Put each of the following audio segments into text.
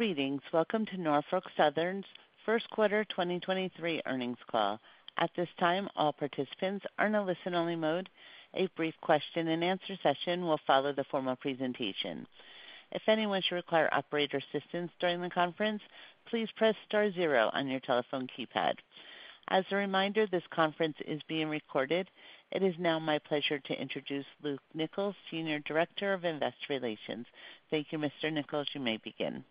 Greetings. Welcome to Norfolk Southern's first quarter 2023 earnings call. At this time, all participants are in a listen-only mode. A brief question-and-answer session will follow the formal presentation. If anyone should require operator assistance during the conference, please press star zero on your telephone keypad. As a reminder, this conference is being recorded. It is now my pleasure to introduce Luke Nichols, Senior Director of Investor Relations. Thank you, Mr. Nichols. You may begin.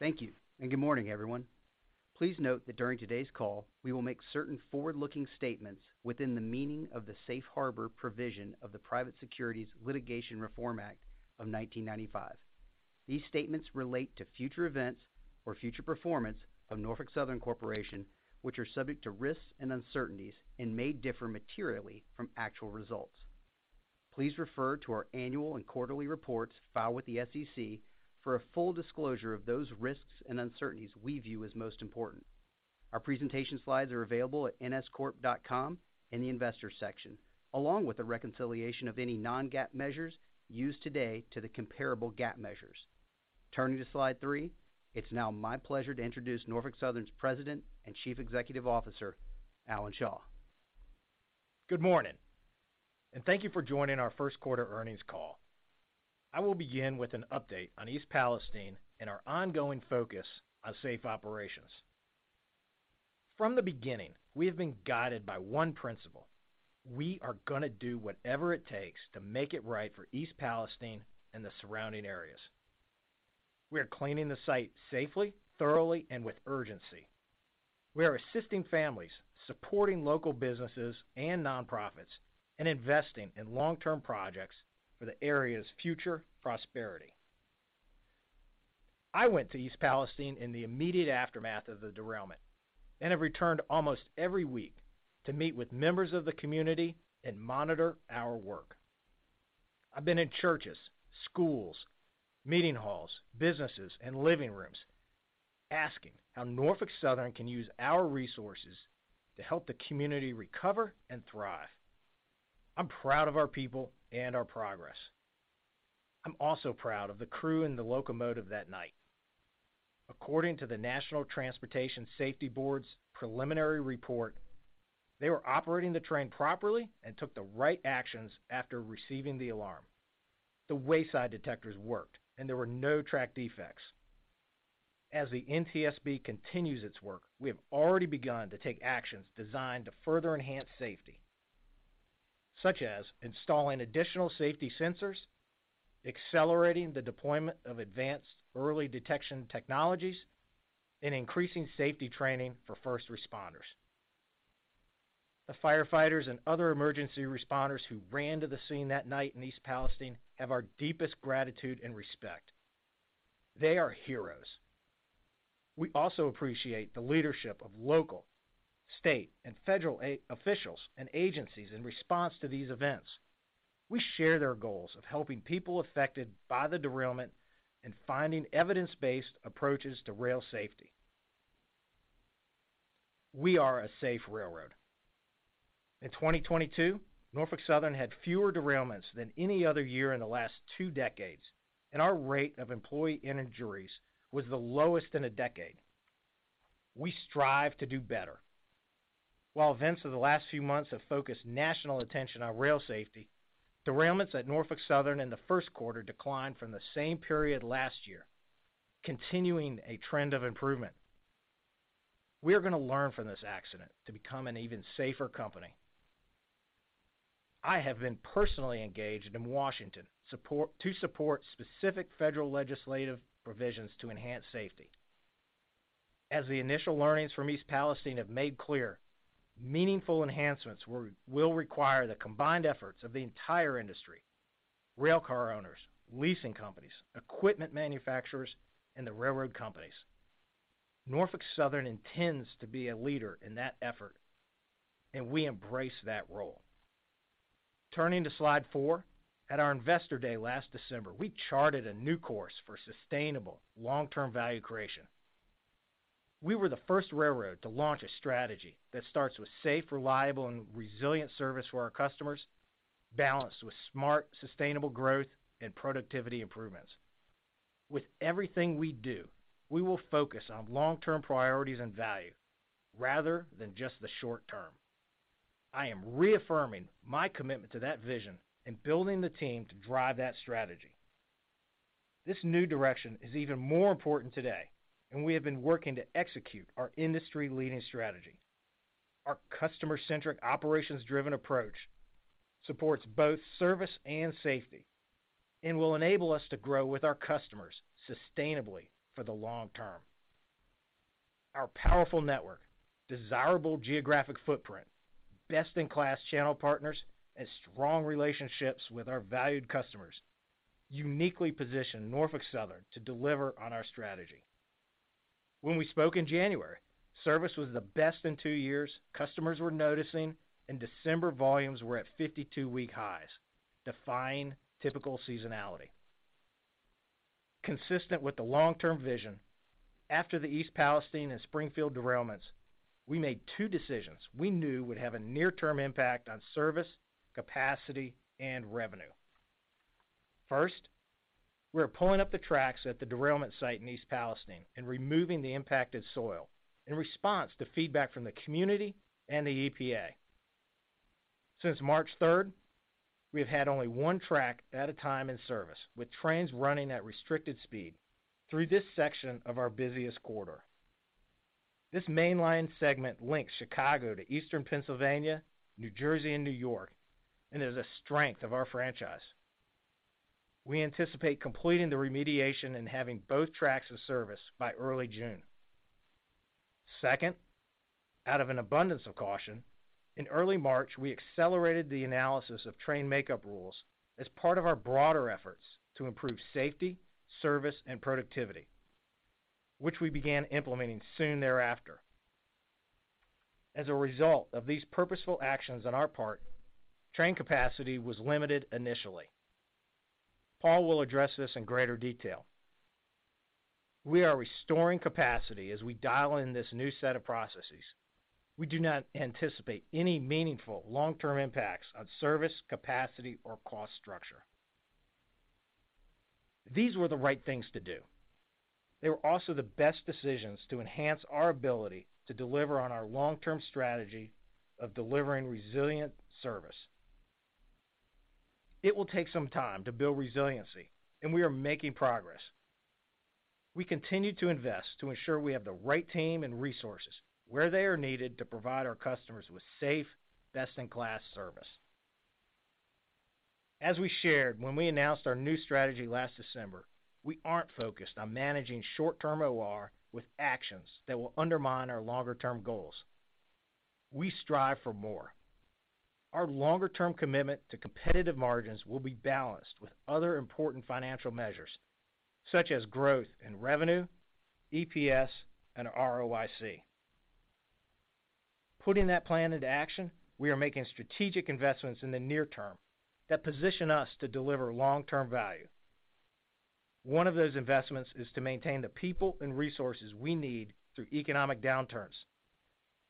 Thank you, and good morning, everyone. Please note that during today's call, we will make certain forward-looking statements within the meaning of the Safe Harbor provision of the Private Securities Litigation Reform Act of 1995. These statements relate to future events or future performance of Norfolk Southern Corporation, which are subject to risks and uncertainties and may differ materially from actual results. Please refer to our annual and quarterly reports filed with the SEC for a full disclosure of those risks and uncertainties we view as most important. Our presentation slides are available at nscorp.com in the Investors section, along with a reconciliation of any non-GAAP measures used today to the comparable GAAP measures. Turning to slide three, it's now my pleasure to introduce Norfolk Southern's President and Chief Executive Officer, Alan Shaw. Good morning, and thank you for joining our first quarter earnings call. I will begin with an update on East Palestine and our ongoing focus on safe operations. From the beginning, we have been guided by one principle: We are gonna do whatever it takes to make it right for East Palestine and the surrounding areas. We are cleaning the site safely, thoroughly, and with urgency. We are assisting families, supporting local businesses and nonprofits, and investing in long-term projects for the area's future prosperity. I went to East Palestine in the immediate aftermath of the derailment and have returned almost every week to meet with members of the community and monitor our work. I've been in churches, schools, meeting halls, businesses, and living rooms asking how Norfolk Southern can use our resources to help the community recover and thrive. I'm proud of our people and our progress. I'm also proud of the crew and the locomotive that night. According to the National Transportation Safety Board's preliminary report, they were operating the train properly and took the right actions after receiving the alarm. The wayside detectors worked, and there were no track defects. As the NTSB continues its work, we have already begun to take actions designed to further enhance safety, such as installing additional safety sensors, accelerating the deployment of advanced early detection technologies, and increasing safety training for first responders. The firefighters and other emergency responders who ran to the scene that night in East Palestine have our deepest gratitude and respect. They are heroes. We also appreciate the leadership of local, state, and federal officials and agencies in response to these events. We share their goals of helping people affected by the derailment and finding evidence-based approaches to rail safety. We are a safe railroad. In 2022, Norfolk Southern had fewer derailments than any other year in the last two decades, and our rate of employee injuries was the lowest in a decade. We strive to do better. While events of the last few months have focused national attention on rail safety, derailments at Norfolk Southern in the first quarter declined from the same period last year, continuing a trend of improvement. We are gonna learn from this accident to become an even safer company. I have been personally engaged in Washington to support specific federal legislative provisions to enhance safety. As the initial learnings from East Palestine have made clear, meaningful enhancements will require the combined efforts of the entire industry, railcar owners, leasing companies, equipment manufacturers, and the railroad companies. Norfolk Southern intends to be a leader in that effort, and we embrace that role. Turning to slide four, at our Investor Day last December, we charted a new course for sustainable long-term value creation. We were the first railroad to launch a strategy that starts with safe, reliable, and resilient service for our customers, balanced with smart, sustainable growth and productivity improvements. With everything we do, we will focus on long-term priorities and value rather than just the short term. I am reaffirming my commitment to that vision and building the team to drive that strategy. This new direction is even more important today, and we have been working to execute our industry-leading strategy. Our customer-centric, operations-driven approach supports both service and safety and will enable us to grow with our customers sustainably for the long term. Our powerful network, desirable geographic footprint, best-in-class channel partners, and strong relationships with our valued customers uniquely position Norfolk Southern to deliver on our strategy. When we spoke in January, service was the best in two years, customers were noticing. December volumes were at 52-week highs, defying typical seasonality. Consistent with the long-term vision. After the East Palestine and Springfield derailments, we made two decisions we knew would have a near-term impact on service, capacity, and revenue. First, we are pulling up the tracks at the derailment site in East Palestine and removing the impacted soil in response to feedback from the community and the EPA. Since March 3rd, we have had only one track at a time in service, with trains running at restricted speed through this section of our busiest quarter. This mainline segment links Chicago to eastern Pennsylvania, New Jersey, and New York is a strength of our franchise. We anticipate completing the remediation and having both tracks of service by early June. Out of an abundance of caution, in early March, we accelerated the analysis of train makeup rules as part of our broader efforts to improve safety, service, and productivity, which we began implementing soon thereafter. As a result of these purposeful actions on our part, train capacity was limited initially. Paul will address this in greater detail. We are restoring capacity as we dial in this new set of processes. We do not anticipate any meaningful long-term impacts on service, capacity, or cost structure. These were the right things to do. They were also the best decisions to enhance our ability to deliver on our long-term strategy of delivering resilient service. It will take some time to build resiliency, and we are making progress. We continue to invest to ensure we have the right team and resources where they are needed to provide our customers with safe, best-in-class service. As we shared when we announced our new strategy last December, we aren't focused on managing short-term OR with actions that will undermine our longer-term goals. We strive for more. Our longer-term commitment to competitive margins will be balanced with other important financial measures, such as growth in revenue, EPS, and ROIC. Putting that plan into action, we are making strategic investments in the near term that position us to deliver long-term value. One of those investments is to maintain the people and resources we need through economic downturns.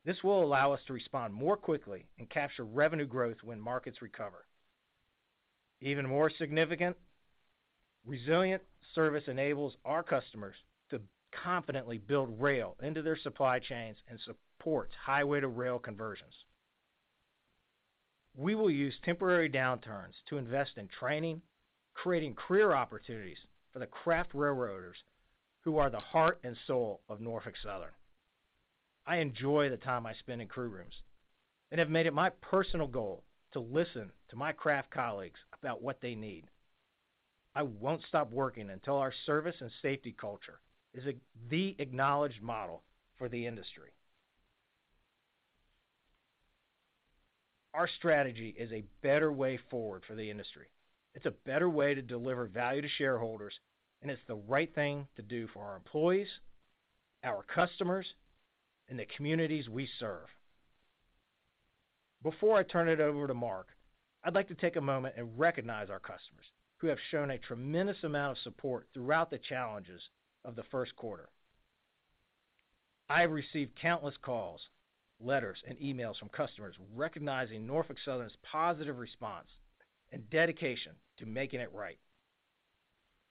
This will allow us to respond more quickly and capture revenue growth when markets recover. Even more significant, resilient service enables our customers to confidently build rail into their supply chains and supports highway-to-rail conversions. We will use temporary downturns to invest in training, creating career opportunities for the craft railroaders who are the heart and soul of Norfolk Southern. I enjoy the time I spend in crew rooms and have made it my personal goal to listen to my craft colleagues about what they need. I won't stop working until our service and safety culture is the acknowledged model for the industry. Our strategy is a better way forward for the industry. It's a better way to deliver value to shareholders, and it's the right thing to do for our employees, our customers, and the communities we serve. Before I turn it over to Mark, I'd like to take a moment and recognize our customers who have shown a tremendous amount of support throughout the challenges of the first quarter. I have received countless calls, letters, and emails from customers recognizing Norfolk Southern's positive response and dedication to making it right.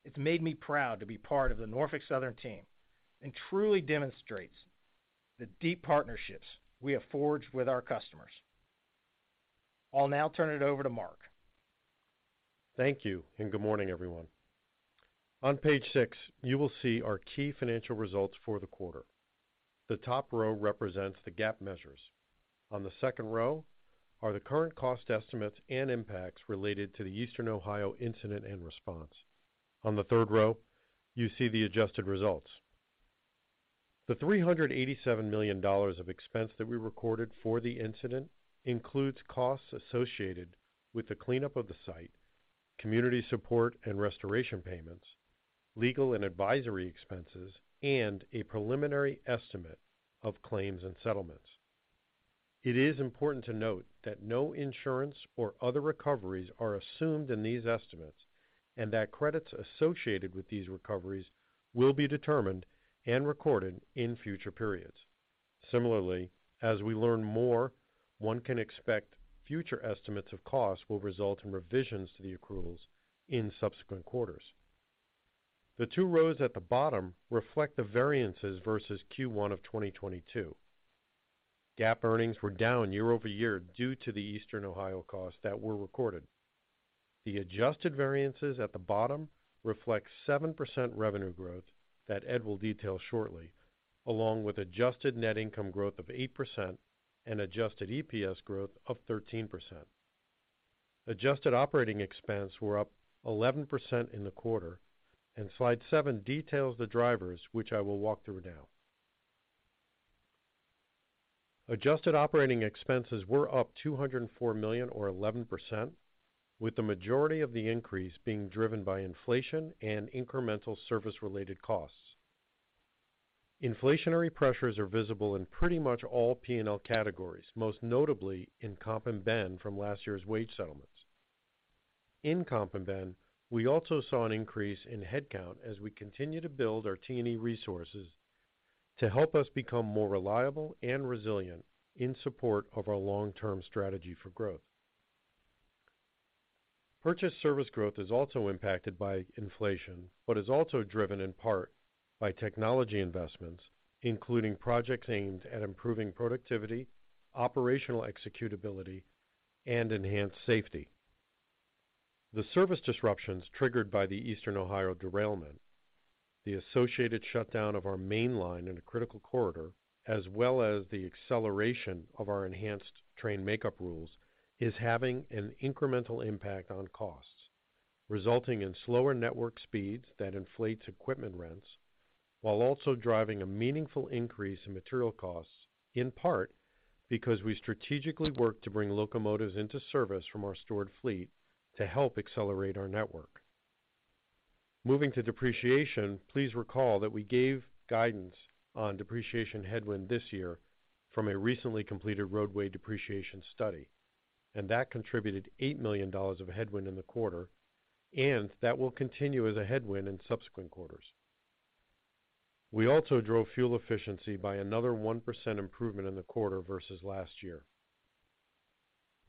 It's made me proud to be part of the Norfolk Southern team and truly demonstrates the deep partnerships we have forged with our customers. I'll now turn it over to Mark. Thank you. Good morning, everyone. On page six, you will see our key financial results for the quarter. The top row represents the GAAP measures. On the second row are the current cost estimates and impacts related to the Eastern Ohio incident and response. On the third row, you see the adjusted results. The $387 million of expense that we recorded for the incident includes costs associated with the cleanup of the site, community support and restoration payments, legal and advisory expenses, and a preliminary estimate of claims and settlements. It is important to note that no insurance or other recoveries are assumed in these estimates and that credits associated with these recoveries will be determined and recorded in future periods. Similarly, as we learn more, one can expect future estimates of costs will result in revisions to the accruals in subsequent quarters. The two rows at the bottom reflect the variances versus Q1 of 2022. GAAP earnings were down year-over-year due to the Eastern Ohio costs that were recorded. The adjusted variances at the bottom reflect 7% revenue growth that Ed will detail shortly, along with adjusted net income growth of 8% and adjusted EPS growth of 13%. Adjusted operating expense were up 11% in the quarter. Slide seven details the drivers, which I will walk through now. Adjusted operating expenses were up $204 million or 11%, with the majority of the increase being driven by inflation and incremental service-related costs. Inflationary pressures are visible in pretty much all P&L categories, most notably in comp and ben from last year's wage settlements. In comp and ben, we also saw an increase in headcount as we continue to build our T&E resources to help us become more reliable and resilient in support of our long-term strategy for growth. Purchased service growth is also impacted by inflation, but is also driven in part by technology investments, including projects aimed at improving productivity, operational executability, and enhanced safety. The service disruptions triggered by the Eastern Ohio derailment, the associated shutdown of our main line in a critical corridor, as well as the acceleration of our enhanced train makeup rules, is having an incremental impact on costs, resulting in slower network speeds that inflates equipment rents, while also driving a meaningful increase in material costs, in part because we strategically work to bring locomotives into service from our stored fleet to help accelerate our network. Moving to depreciation, please recall that we gave guidance on depreciation headwind this year from a recently completed roadway depreciation study, and that contributed $8 million of headwind in the quarter, and that will continue as a headwind in subsequent quarters. We also drove fuel efficiency by another 1% improvement in the quarter versus last year.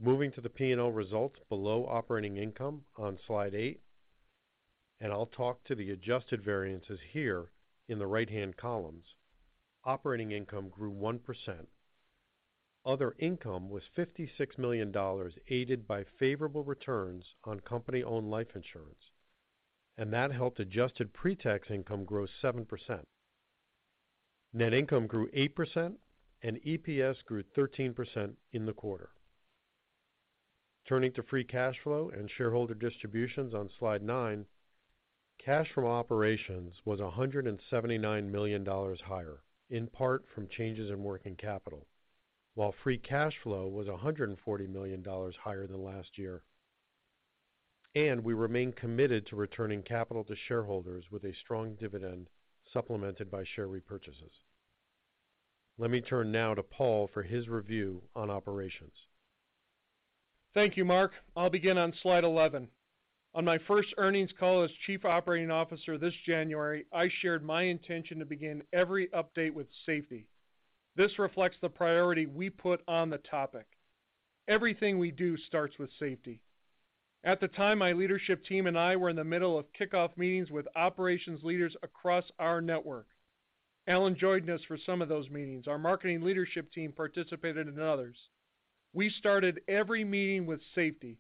Moving to the P&L results below operating income on slide eight, I'll talk to the adjusted variances here in the right-hand columns. Operating income grew 1%. Other income was $56 million, aided by favorable returns on company-owned life insurance, that helped adjusted pre-tax income grow 7%. Net income grew 8%, and EPS grew 13% in the quarter. Turning to free cash flow and shareholder distributions on slide nine, cash from operations was $179 million higher, in part from changes in working capital, while free cash flow was $140 million higher than last year. We remain committed to returning capital to shareholders with a strong dividend supplemented by share repurchases. Let me turn now to Paul for his review on operations. Thank you, Mark. I'll begin on slide 11. On my first earnings call as Chief Operating Officer this January, I shared my intention to begin every update with safety. This reflects the priority we put on the topic. Everything we do starts with safety. At the time, my leadership team and I were in the middle of kickoff meetings with operations leaders across our network. Alan joined us for some of those meetings. Our marketing leadership team participated in others. We started every meeting with safety,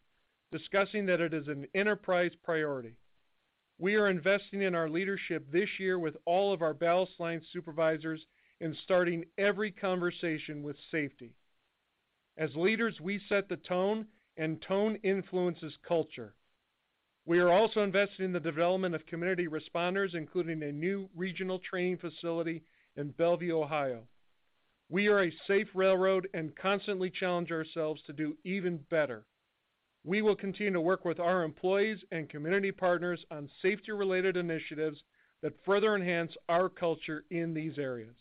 discussing that it is an enterprise priority. We are investing in our leadership this year with all of our front line supervisors in starting every conversation with safety. As leaders, we set the tone, and tone influences culture. We are also investing in the development of community responders, including a new regional training facility in Bellevue, Ohio. We are a safe railroad and constantly challenge ourselves to do even better. We will continue to work with our employees and community partners on safety-related initiatives that further enhance our culture in these areas.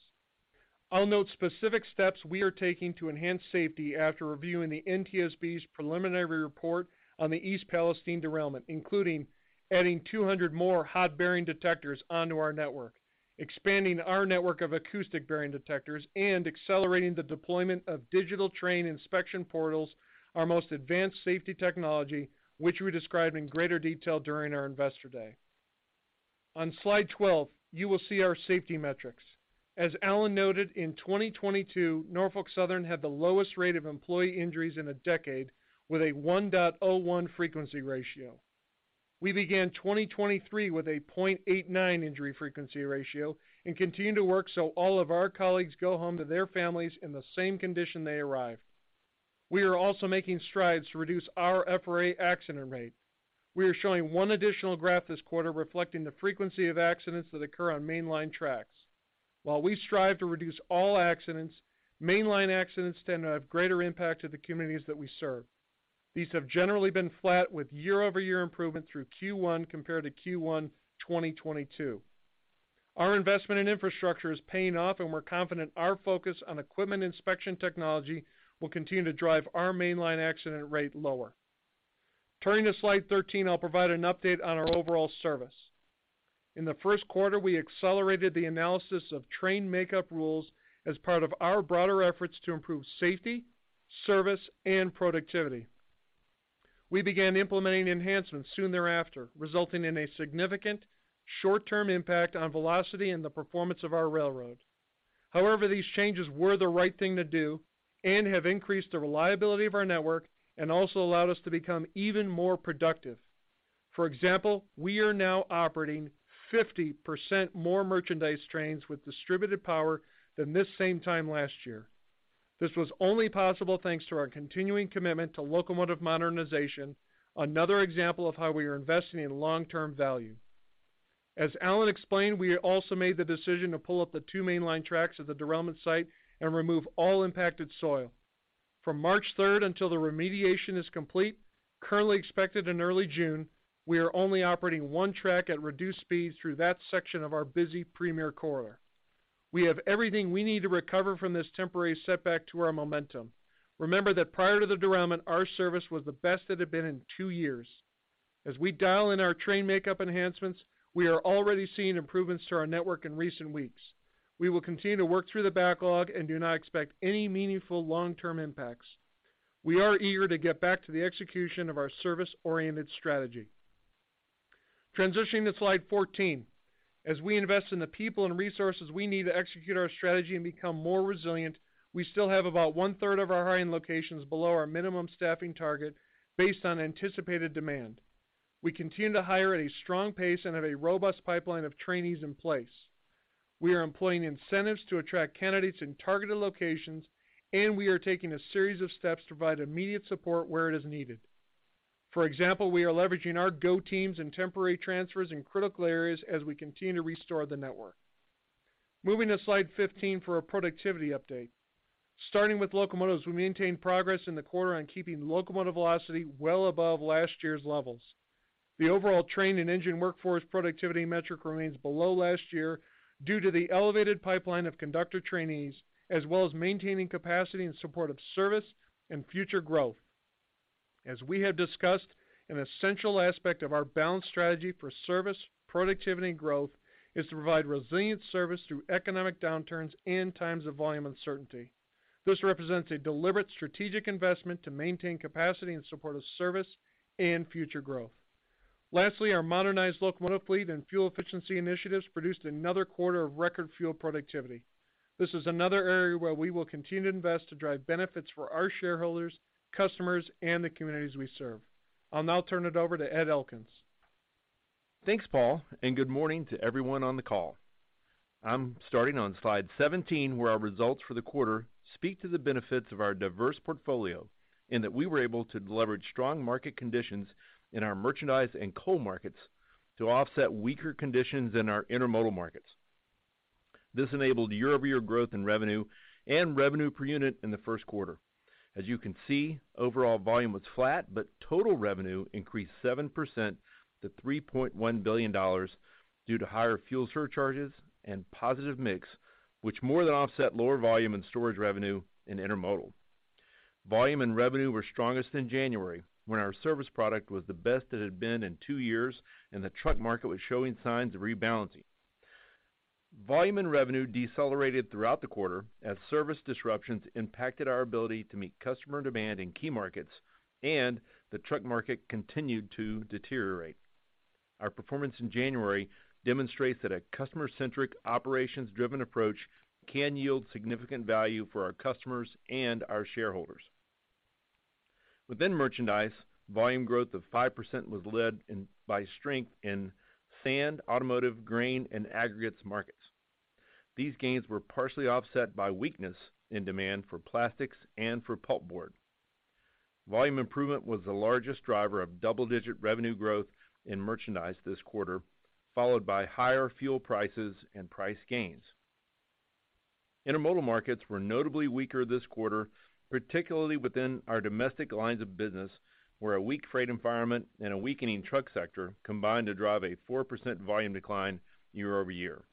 I'll note specific steps we are taking to enhance safety after reviewing the NTSB's preliminary report on the East Palestine derailment, including adding 200 more hot bearing detectors onto our network, expanding our network of acoustic bearing detectors and accelerating the deployment of Digital Train Inspection Portals, our most advanced safety technology, which we describe in greater detail during our Investor Day. On slide 12, you will see our safety metrics. As Alan noted, in 2022, Norfolk Southern had the lowest rate of employee injuries in a decade with a 1.01 frequency ratio. We began 2023 with a 0.89 injury frequency ratio and continue to work so all of our colleagues go home to their families in the same condition they arrive. We are also making strides to reduce our FRA accident rate. We are showing one additional graph this quarter reflecting the frequency of accidents that occur on main line tracks. While we strive to reduce all accidents, main line accidents tend to have greater impact to the communities that we serve. These have generally been flat with year-over-year improvement through Q1 compared to Q1 2022. Our investment in infrastructure is paying off, and we're confident our focus on equipment inspection technology will continue to drive our main line accident rate lower. Turning to slide 13, I'll provide an update on our overall service. In the first quarter, we accelerated the analysis of train makeup rules as part of our broader efforts to improve safety, service, and productivity. We began implementing enhancements soon thereafter, resulting in a significant short-term impact on velocity and the performance of our railroad. However, these changes were the right thing to do and have increased the reliability of our network and also allowed us to become even more productive. For example, we are now operating 50% more merchandise trains with distributed power than this same time last year. This was only possible thanks to our continuing commitment to locomotive modernization, another example of how we are investing in long-term value. As Alan explained, we also made the decision to pull up the two main line tracks of the derailment site and remove all impacted soil. From March 3rd until the remediation is complete, currently expected in early June, we are only operating one track at reduced speed through that section of our busy Premier Corridor. We have everything we need to recover from this temporary setback to our momentum. Remember that prior to the derailment, our service was the best it had been in two years. As we dial in our train makeup enhancements, we are already seeing improvements to our network in recent weeks. We will continue to work through the backlog and do not expect any meaningful long-term impacts. We are eager to get back to the execution of our service-oriented strategy. Transitioning to slide 14, as we invest in the people and resources we need to execute our strategy and become more resilient, we still have about 1/3 of our hiring locations below our minimum staffing target based on anticipated demand. We continue to hire at a strong pace and have a robust pipeline of trainees in place. We are employing incentives to attract candidates in targeted locations, and we are taking a series of steps to provide immediate support where it is needed. For example, we are leveraging our Go Teams and temporary transfers in critical areas as we continue to restore the network. Moving to slide 15 for a productivity update. Starting with locomotives, we maintained progress in the quarter on keeping locomotive velocity well above last year's levels. The overall train and engine workforce productivity metric remains below last year due to the elevated pipeline of conductor trainees, as well as maintaining capacity in support of service and future growth. As we have discussed, an essential aspect of our balanced strategy for service, productivity, and growth is to provide resilient service through economic downturns and times of volume uncertainty. This represents a deliberate strategic investment to maintain capacity in support of service and future growth. Lastly, our modernized locomotive fleet and fuel efficiency initiatives produced another quarter of record fuel productivity. This is another area where we will continue to invest to drive benefits for our shareholders, customers, and the communities we serve. I'll now turn it over to Ed Elkins. Thanks, Paul. Good morning to everyone on the call. I'm starting on slide 17, where our results for the quarter speak to the benefits of our diverse portfolio in that we were able to leverage strong market conditions in our merchandise and coal markets to offset weaker conditions in our intermodal markets. This enabled year-over-year growth in revenue and revenue per unit in the first quarter. As you can see, overall volume was flat. Total revenue increased 7% to $3.1 billion due to higher fuel surcharges and positive mix, which more than offset lower volume and storage revenue in intermodal. Volume and revenue were strongest in January, when our service product was the best it had been in two years and the truck market was showing signs of rebalancing. Volume and revenue decelerated throughout the quarter as service disruptions impacted our ability to meet customer demand in key markets and the truck market continued to deteriorate. Our performance in January demonstrates that a customer-centric, operations-driven approach can yield significant value for our customers and our shareholders. Within merchandise, volume growth of 5% was led by strength in sand, automotive, grain, and aggregates markets. These gains were partially offset by weakness in demand for plastics and for paperboard. Volume improvement was the largest driver of double-digit revenue growth in merchandise this quarter, followed by higher fuel prices and price gains. Intermodal markets were notably weaker this quarter, particularly within our domestic lines of business, where a weak freight environment and a weakening truck sector combined to drive a 4% volume decline year-over-year.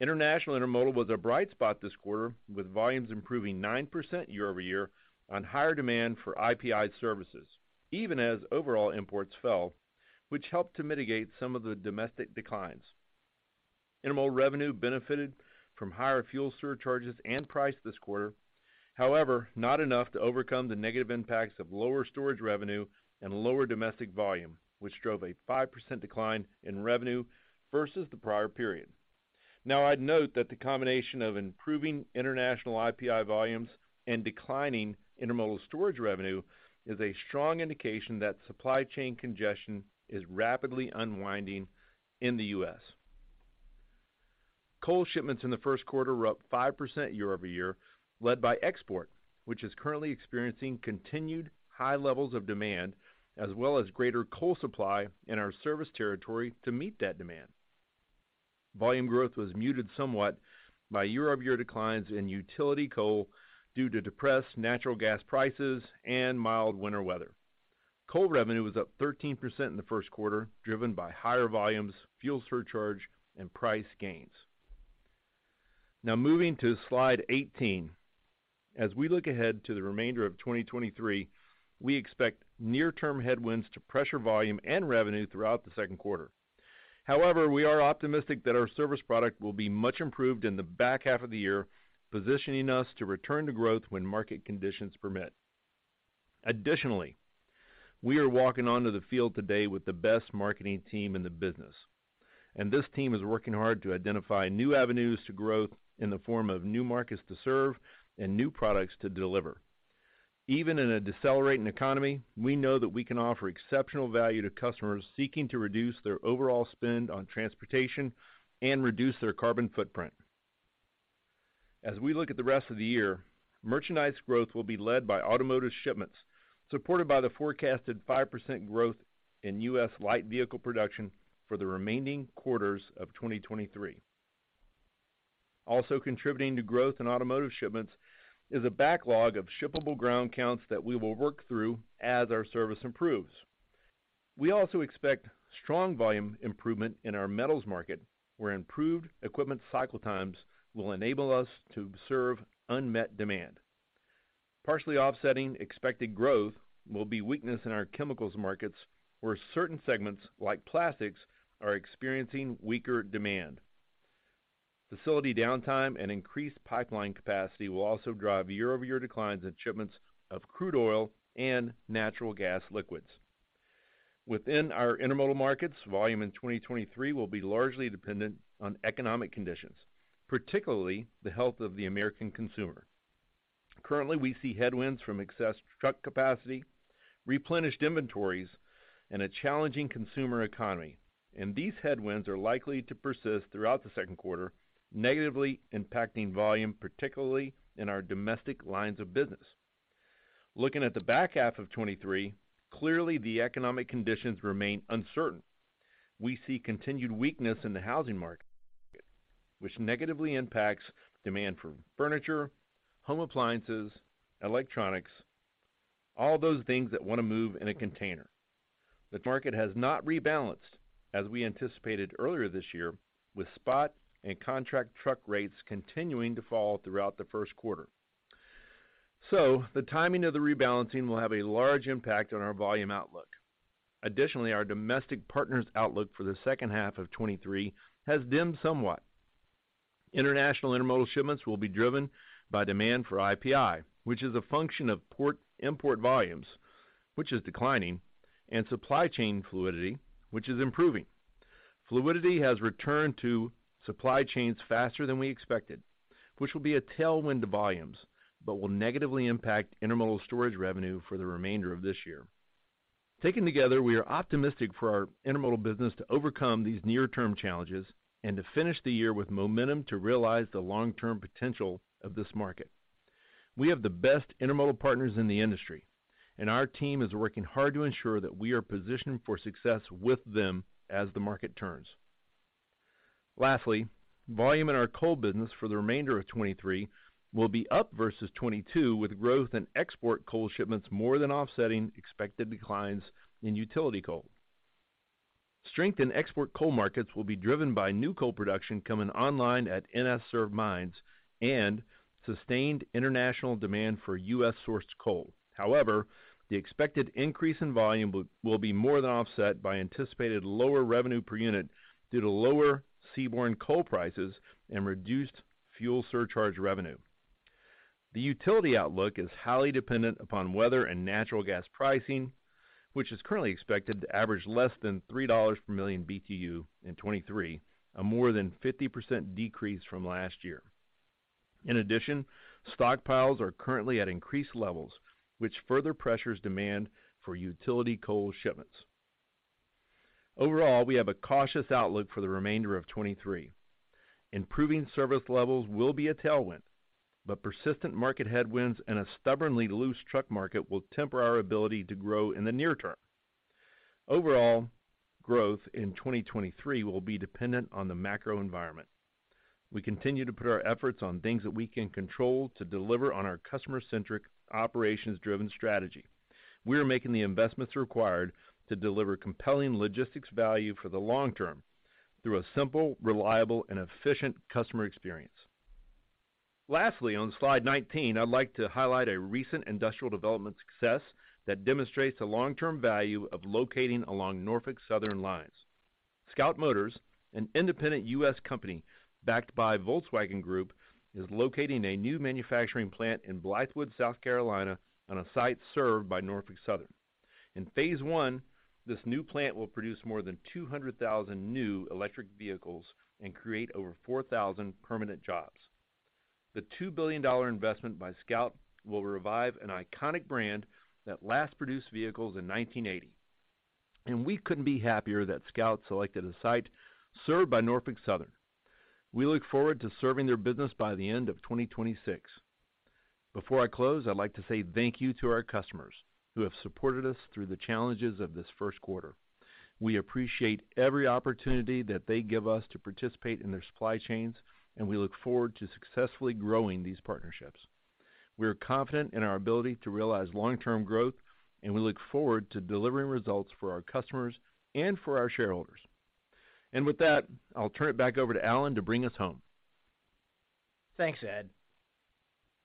International intermodal was a bright spot this quarter, with volumes improving 9% year-over-year on higher demand for IPI services, even as overall imports fell, which helped to mitigate some of the domestic declines. Intermodal revenue benefited from higher fuel surcharges and price this quarter. However, not enough to overcome the negative impacts of lower storage revenue and lower domestic volume, which drove a 5% decline in revenue versus the prior period. I'd note that the combination of improving international IPI volumes and declining intermodal storage revenue is a strong indication that supply chain congestion is rapidly unwinding in the U.S. Coal shipments in the first quarter were up 5% year-over-year, led by export, which is currently experiencing continued high levels of demand as well as greater coal supply in our service territory to meet that demand. Volume growth was muted somewhat by year-over-year declines in utility coal due to depressed natural gas prices and mild winter weather. Coal revenue was up 13% in the first quarter, driven by higher volumes, fuel surcharge, and price gains. Moving to slide 18. As we look ahead to the remainder of 2023, we expect near-term headwinds to pressure volume and revenue throughout the second quarter. We are optimistic that our service product will be much improved in the back half of the year, positioning us to return to growth when market conditions permit. We are walking onto the field today with the best marketing team in the business, and this team is working hard to identify new avenues to growth in the form of new markets to serve and new products to deliver. Even in a decelerating economy, we know that we can offer exceptional value to customers seeking to reduce their overall spend on transportation and reduce their carbon footprint. As we look at the rest of the year, merchandise growth will be led by automotive shipments, supported by the forecasted 5% growth in U.S. light vehicle production for the remaining quarters of 2023. Also contributing to growth in automotive shipments is a backlog of shippable ground counts that we will work through as our service improves. We also expect strong volume improvement in our metals market, where improved equipment cycle times will enable us to serve unmet demand. Partially offsetting expected growth will be weakness in our chemicals markets where certain segments, like plastics, are experiencing weaker demand. Facility downtime and increased pipeline capacity will also drive year-over-year declines in shipments of crude oil and natural gas liquids. Within our intermodal markets, volume in 2023 will be largely dependent on economic conditions, particularly the health of the American consumer. Currently, we see headwinds from excess truck capacity, replenished inventories, and a challenging consumer economy, these headwinds are likely to persist throughout the second quarter, negatively impacting volume, particularly in our domestic lines of business. Looking at the back half of 2023, clearly the economic conditions remain uncertain. We see continued weakness in the housing market, which negatively impacts demand for furniture, home appliances, electronics, all those things that want to move in a container. The market has not rebalanced as we anticipated earlier this year, with spot and contract truck rates continuing to fall throughout the first quarter. The timing of the rebalancing will have a large impact on our volume outlook. Additionally, our domestic partners' outlook for the second half of 2023 has dimmed somewhat. International intermodal shipments will be driven by demand for IPI, which is a function of port import volumes, which is declining, and supply chain fluidity, which is improving. Fluidity has returned to supply chains faster than we expected, which will be a tailwind to volumes but will negatively impact intermodal storage revenue for the remainder of this year. Taken together, we are optimistic for our intermodal business to overcome these near-term challenges and to finish the year with momentum to realize the long-term potential of this market. We have the best intermodal partners in the industry, and our team is working hard to ensure that we are positioned for success with them as the market turns. Lastly, volume in our coal business for the remainder of 2023 will be up versus 2022, with growth in export coal shipments more than offsetting expected declines in utility coal. Strength in export coal markets will be driven by new coal production coming online at NS-served mines and sustained international demand for U.S.-sourced coal. The expected increase in volume will be more than offset by anticipated lower revenue per unit due to lower seaborne coal prices and reduced fuel surcharge revenue. The utility outlook is highly dependent upon weather and natural gas pricing, which is currently expected to average less than $3 per million BTU in 2023, a more than 50% decrease from last year. Stockpiles are currently at increased levels, which further pressures demand for utility coal shipments. We have a cautious outlook for the remainder of 2023. Improving service levels will be a tailwind, but persistent market headwinds and a stubbornly loose truck market will temper our ability to grow in the near term. Overall, growth in 2023 will be dependent on the macro environment. We continue to put our efforts on things that we can control to deliver on our customer-centric, operations-driven strategy. We are making the investments required to deliver compelling logistics value for the long term through a simple, reliable, and efficient customer experience. Lastly, on slide 19, I'd like to highlight a recent industrial development success that demonstrates the long-term value of locating along Norfolk Southern lines. Scout Motors, an independent U.S. company backed by Volkswagen Group, is locating a new manufacturing plant in Blythewood, South Carolina, on a site served by Norfolk Southern. In phase one, this new plant will produce more than 200,000 new electric vehicles and create over 4,000 permanent jobs. The $2 billion investment by Scout will revive an iconic brand that last produced vehicles in 1980, and we couldn't be happier that Scout selected a site served by Norfolk Southern. We look forward to serving their business by the end of 2026. Before I close, I'd like to say thank you to our customers who have supported us through the challenges of this first quarter. We appreciate every opportunity that they give us to participate in their supply chains, and we look forward to successfully growing these partnerships. We are confident in our ability to realize long-term growth, and we look forward to delivering results for our customers and for our shareholders. With that, I'll turn it back over to Alan to bring us home. Thanks, Ed.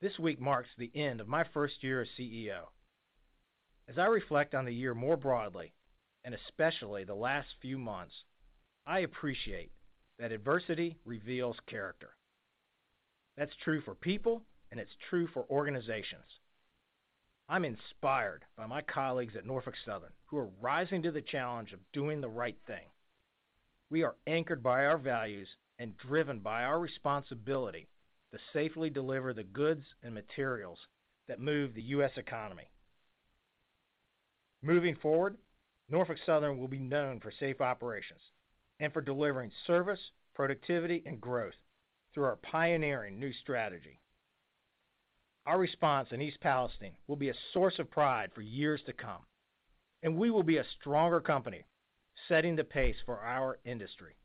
This week marks the end of my first year as CEO. As I reflect on the year more broadly, and especially the last few months, I appreciate that adversity reveals character. That's true for people, and it's true for organizations. I'm inspired by my colleagues at Norfolk Southern who are rising to the challenge of doing the right thing. We are anchored by our values and driven by our responsibility to safely deliver the goods and materials that move the U.S. economy. Moving forward, Norfolk Southern will be known for safe operations and for delivering service, productivity, and growth through our pioneering new strategy. Our response in East Palestine will be a source of pride for years to come, and we will be a stronger company, setting the pace for our industry.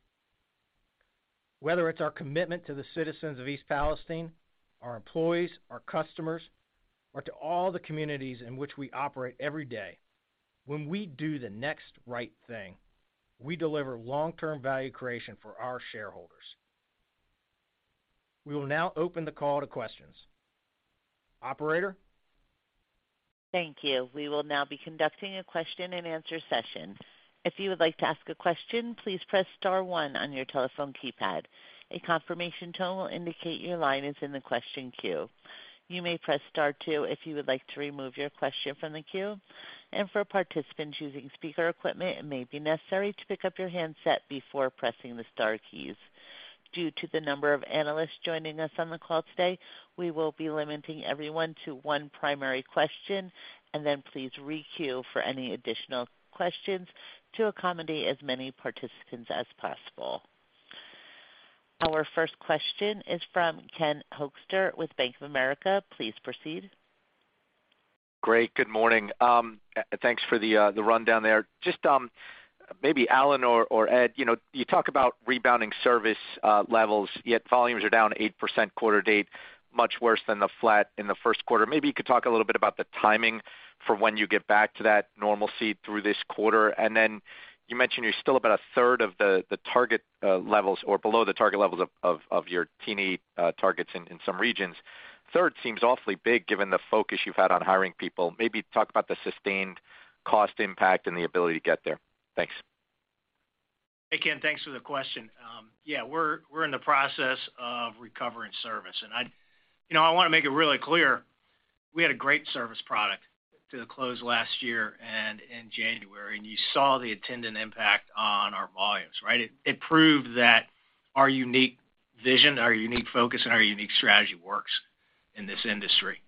Whether it's our commitment to the citizens of East Palestine, our employees, our customers, or to all the communities in which we operate every day, when we do the next right thing, we deliver long-term value creation for our shareholders. We will now open the call to questions. Operator? Thank you. We will now be conducting a question-and-answer session. If you would like to ask a question, please press star one on your telephone keypad. A confirmation tone will indicate your line is in the question queue. You may press star two if you would like to remove your question from the queue. For participants using speaker equipment, it may be necessary to pick up your handset before pressing the star keys. Due to the number of analysts joining us on the call today, we will be limiting everyone to one primary question and then please re-queue for any additional questions to accommodate as many participants as possible. Our first question is from Ken Hoexter with Bank of America. Please proceed. Great. Good morning. Thanks for the rundown there. Just, maybe Alan or Ed, you know, you talk about rebounding service levels, yet volumes are down 8% quarter to date, much worse than the flat in the first quarter. Maybe you could talk a little bit about the timing for when you get back to that normalcy through this quarter. You mentioned you're still about 1/3 of the target levels or below the target levels of your T&E ttargets in some regions. Third seems awfully big given the focus you've had on hiring people. Maybe talk about the sustained cost impact and the ability to get there. Thanks. Hey, Ken. Thanks for the question. Yeah, we're in the process of recovering service. You know, I wanna make it really clear, we had a great service product to the close last year and in January, and you saw the attendant impact on our volumes, right? It proved that our unique vision, our unique focus, and our unique strategy works in this industry.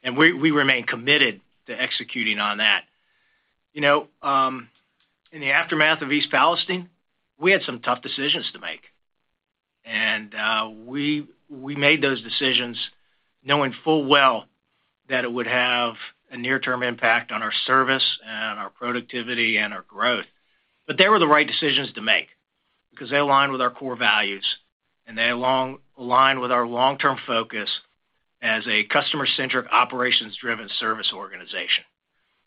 We remain committed to executing on that. You know, in the aftermath of East Palestine, we had some tough decisions to make. We made those decisions knowing full well that it would have a near-term impact on our service and our productivity and our growth. They were the right decisions to make because they align with our core values, and they align with our long-term focus as a customer-centric, operations-driven service organization.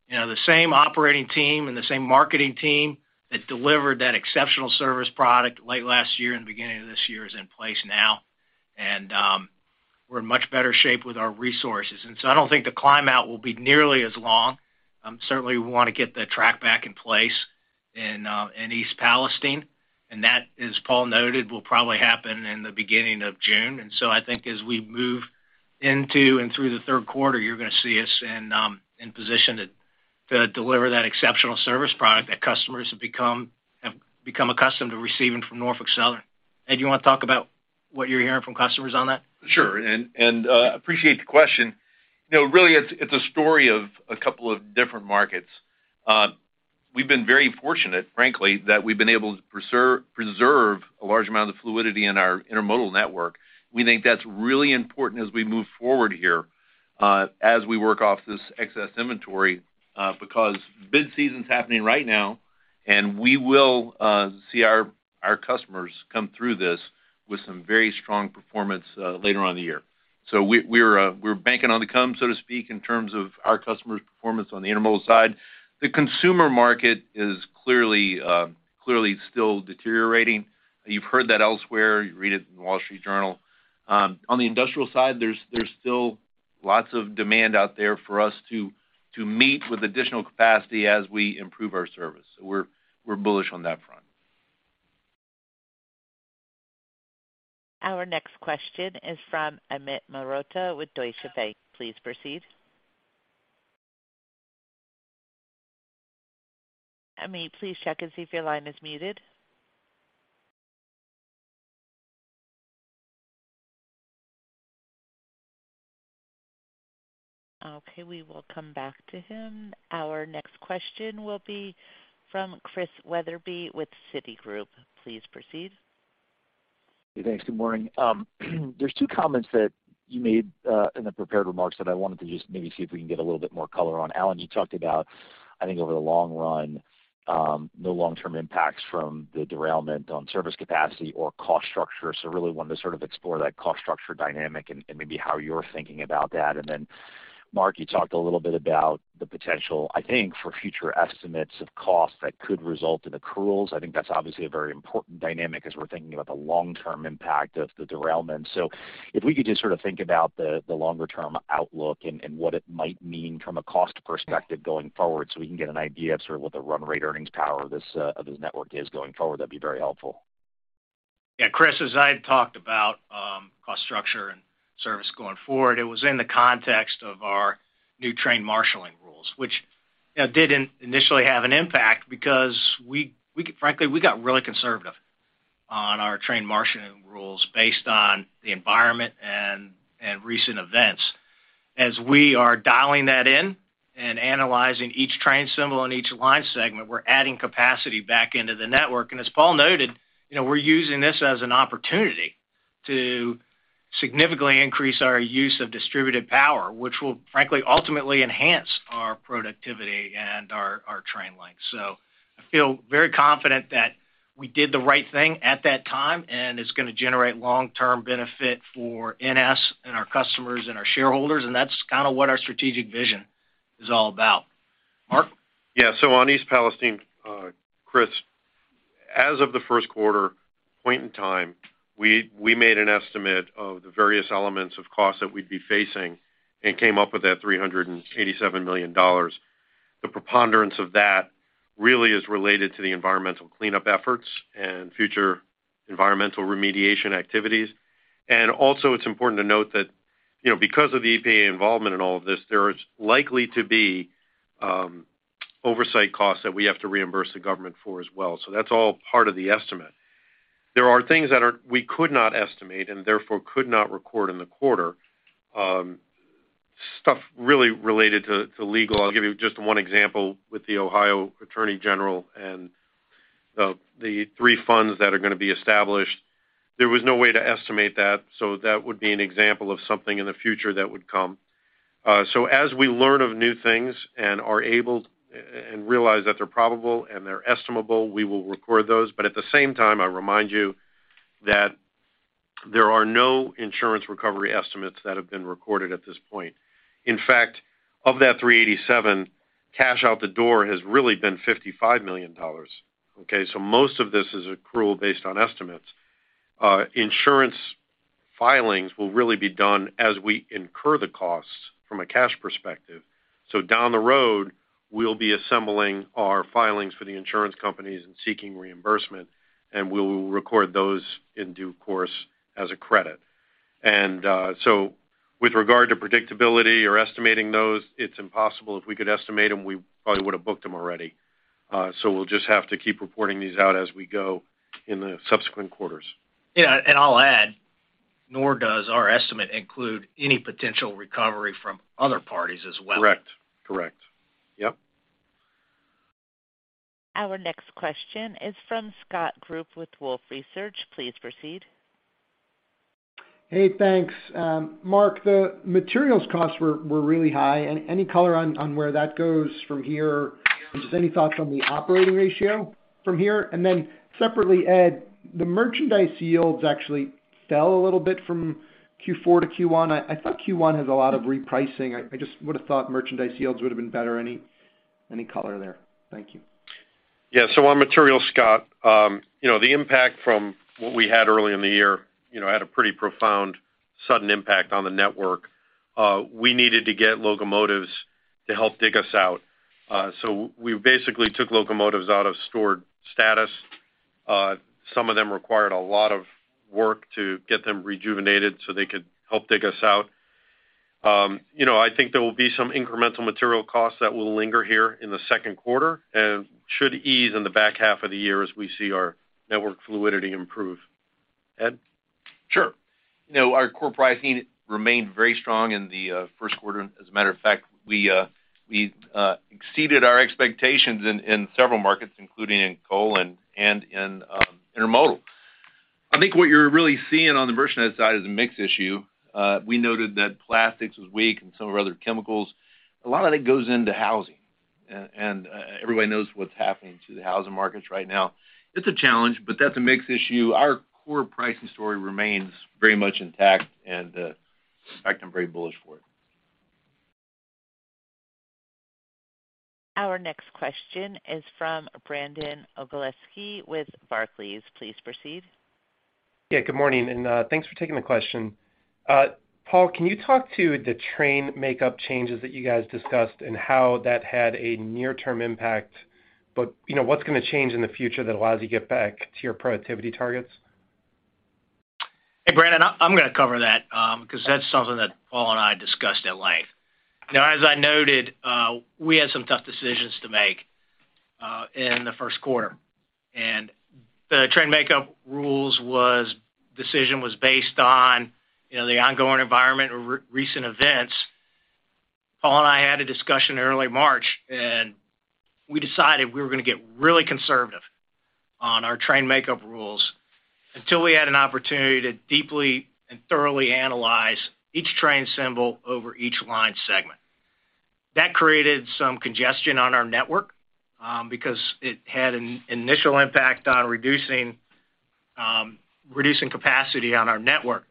You know, the same operating team and the same marketing team that delivered that exceptional service product late last year and beginning of this year is in place now, and we're in much better shape with our resources. I don't think the climb out will be nearly as long. Certainly we wanna get the track back in place in East Palestine, and that, as Paul noted, will probably happen in the beginning of June. I think as we move into and through the third quarter, you're gonna see us in position to deliver that exceptional service product that customers have become accustomed to receiving from Norfolk Southern. Ed, you wanna talk about what you're hearing from customers on that? Sure, appreciate the question. You know, really, it's a story of a couple of different markets. We've been very fortunate, frankly, that we've been able to preserve a large amount of fluidity in our intermodal network. We think that's really important as we move forward here, as we work off this excess inventory, because bid season's happening right now, and we will see our customers come through this with some very strong performance, later on in the year. We're banking on the come, so to speak, in terms of our customers' performance on the intermodal side. The consumer market is clearly still deteriorating. You've heard that elsewhere, you read it in the Wall Street Journal. On the industrial side, there's still lots of demand out there for us to meet with additional capacity as we improve our service. We're bullish on that front. Our next question is from Amit Mehrotra with Deutsche Bank. Please proceed. Amit, please check and see if your line is muted. Okay, we will come back to him. Our next question will be from Chris Wetherbee with Citigroup. Please proceed. Thanks. Good morning. There's two comments that you made in the prepared remarks that I wanted to just maybe see if we can get a little bit more color on. Alan, you talked about, I think over the long run, the long-term impacts from the derailment on service capacity or cost structure. Really wanted to sort of explore that cost structure dynamic and maybe how you're thinking about that. Mark, you talked a little bit about the potential, I think, for future estimates of costs that could result in accruals. I think that's obviously a very important dynamic as we're thinking about the long-term impact of the derailment. If we could just sort of think about the longer term outlook and what it might mean from a cost perspective going forward so we can get an idea of sort of what the run rate earnings power of this network is going forward, that'd be very helpful. Yeah, Chris, as I had talked about, cost structure and service going forward, it was in the context of our new train marshaling rules, which, you know, did initially have an impact because we frankly, we got really conservative on our train marshaling rules based on the environment and recent events. As we are dialing that in and analyzing each train symbol and each line segment, we're adding capacity back into the network. As Paul noted, you know, we're using this as an opportunity to significantly increase our use of distributed power, which will frankly, ultimately enhance our productivity and our train length. I feel very confident that we did the right thing at that time, and it's gonna generate long-term benefit for NS and our customers and our shareholders, and that's kind of what our strategic vision is all about. Mark? Yeah. On East Palestine, Chris, as of the first quarter point in time, we made an estimate of the various elements of costs that we'd be facing and came up with that $387 million. The preponderance of that really is related to the environmental cleanup efforts and future environmental remediation activities. Also it's important to note that, you know, because of the EPA involvement in all of this, there is likely to be oversight costs that we have to reimburse the government for as well. That's all part of the estimate. There are things we could not estimate and therefore could not record in the quarter, stuff really related to legal. I'll give you just one example with the Ohio Attorney General and the three funds that are gonna be established. There was no way to estimate that. That would be an example of something in the future that would come. As we learn of new things and are able and realize that they're probable and they're estimable, we will record those. At the same time, I remind you that there are no insurance recovery estimates that have been recorded at this point. In fact, of that 387, cash out the door has really been $55 million, okay? Most of this is accrual based on estimates. Insurance filings will really be done as we incur the costs from a cash perspective. Down the road, we'll be assembling our filings for the insurance companies and seeking reimbursement. We will record those in due course as a credit. With regard to predictability or estimating those, it's impossible. If we could estimate them, we probably would have booked them already. We'll just have to keep reporting these out as we go in the subsequent quarters. Yeah. I'll add, nor does our estimate include any potential recovery from other parties as well. Correct. Yep. Our next question is from Scott Group with Wolfe Research. Please proceed. Hey, thanks. Mark, the materials costs were really high. Any color on where that goes from here? Just any thoughts on the operating ratio from here? Separately, Ed, the merchandise yields actually fell a little bit from Q4 to Q1. I thought Q1 has a lot of repricing. I just would have thought merchandise yields would have been better. Any color there? Thank you. On materials, Scott, you know, the impact from what we had early in the year, you know, had a pretty profound sudden impact on the network. We needed to get locomotives to help dig us out. We basically took locomotives out of stored status. Some of them required a lot of work to get them rejuvenated so they could help dig us out. You know, I think there will be some incremental material costs that will linger here in the second quarter and should ease in the back half of the year as we see our network fluidity improve. Ed? Sure. You know, our core pricing remained very strong in the first quarter. As a matter of fact, we exceeded our expectations in several markets, including in coal and in intermodal. I think what you're really seeing on the merchandise side is a mix issue. We noted that plastics was weak and some of our other chemicals. A lot of it goes into housing and everybody knows what's happening to the housing markets right now. It's a challenge, but that's a mix issue. Our core pricing story remains very much intact and, in fact, I'm very bullish for it. Our next question is from Brandon Oglenski with Barclays. Please proceed. Yeah, good morning, and thanks for taking the question. Paul, can you talk to the train makeup changes that you guys discussed and how that had a near-term impact, but, you know, what's gonna change in the future that allows you to get back to your productivity targets? Hey, Brandon, I'm gonna cover that, because that's something that Paul and I discussed at length. As I noted, we had some tough decisions to make in the first quarter. The train makeup rules decision was based on, you know, the ongoing environment and recent events. Paul and I had a discussion in early March, and we decided we were gonna get really conservative on our train makeup rules until we had an opportunity to deeply and thoroughly analyze each train symbol over each line segment. That created some congestion on our network, because it had an initial impact on reducing capacity on our network.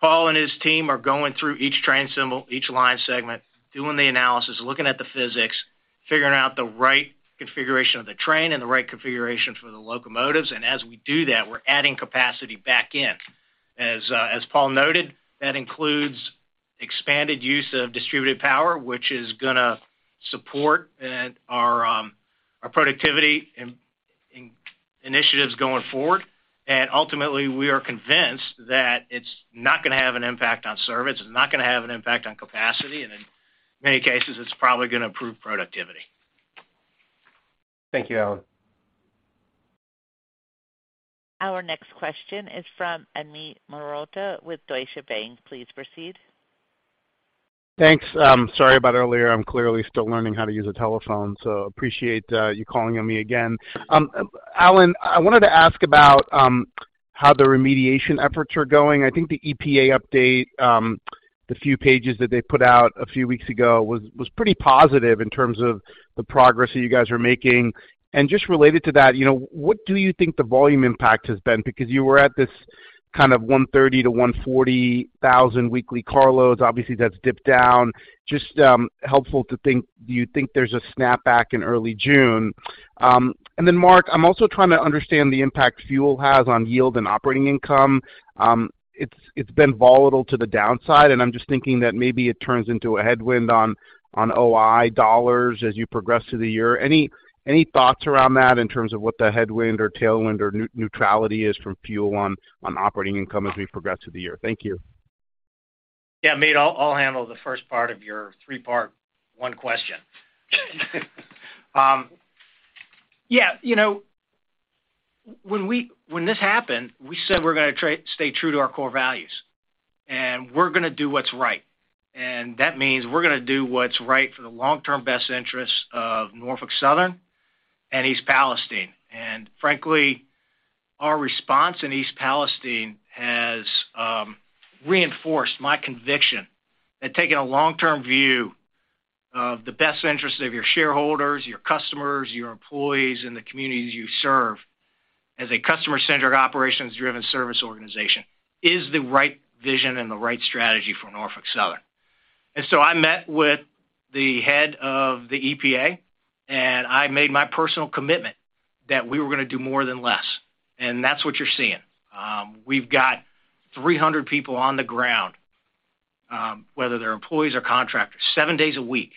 Paul and his team are going through each train symbol, each line segment, doing the analysis, looking at the physics, figuring out the right configuration of the train and the right configurations for the locomotives. As we do that, we're adding capacity back in. As Paul noted, that includes expanded use of distributed power, which is gonna support our productivity initiatives going forward. Ultimately, we are convinced that it's not gonna have an impact on service, it's not gonna have an impact on capacity, and in many cases, it's probably gonna improve productivity. Thank you, Alan. Our next question is from Amit Mehrotra with Deutsche Bank. Please proceed. Thanks. Sorry about earlier. I'm clearly still learning how to use a telephone, so appreciate you calling on me again. Alan, I wanted to ask about how the remediation efforts are going. I think the EPA update, the few pages that they put out a few weeks ago was pretty positive in terms of the progress that you guys are making. Just related to that, you know, what do you think the volume impact has been? Because you were at this kind of 130,000-140,000 weekly car loads. Obviously, that's dipped down. Just helpful to think, do you think there's a snapback in early June? Then Mark, I'm also trying to understand the impact fuel has on yield and operating income. It's been volatile to the downside, and I'm just thinking that maybe it turns into a headwind on OI dollars as you progress through the year. Any thoughts around that in terms of what the headwind or tailwind or neutrality is from fuel on operating income as we progress through the year? Thank you. Yeah, Amit, I'll handle the first part of your three-part one question. Yeah, you know, when this happened, we said we're gonna stay true to our core values, and we're gonna do what's right. That means we're gonna do what's right for the long-term best interests of Norfolk Southern and East Palestine. Frankly, our response in East Palestine has reinforced my conviction that taking a long-term view of the best interests of your shareholders, your customers, your employees, and the communities you serve as a customer-centric, operations-driven service organization is the right vision and the right strategy for Norfolk Southern. So I met with the head of the EPA, and I made my personal commitment that we were gonna do more than less, and that's what you're seeing. We've got 300 people on the ground, whether they're employees or contractors, seven days a week.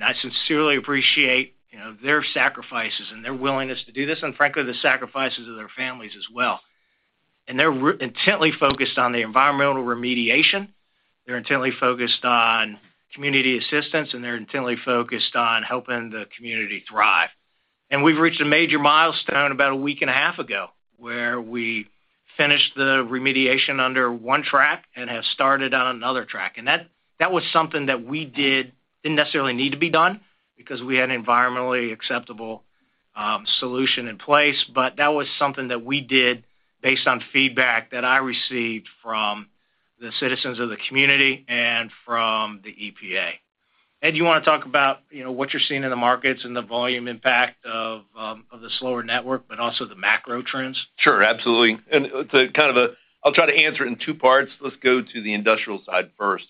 I sincerely appreciate, you know, their sacrifices and their willingness to do this, and frankly, the sacrifices of their families as well. They're intently focused on the environmental remediation, they're intently focused on community assistance, and they're intently focused on helping the community thrive. We've reached a major milestone about a week and a half ago, where we finished the remediation under one track and have started on another track. That was something that we did, didn't necessarily need to be done because we had an environmentally acceptable solution in place. That was something that we did based on feedback that I received from the citizens of the community and from the EPA. Ed, do you wanna talk about, you know, what you're seeing in the markets and the volume impact of the slower network, but also the macro trends? Sure, absolutely. To kind of, I'll try to answer it in two parts. Let's go to the industrial side first.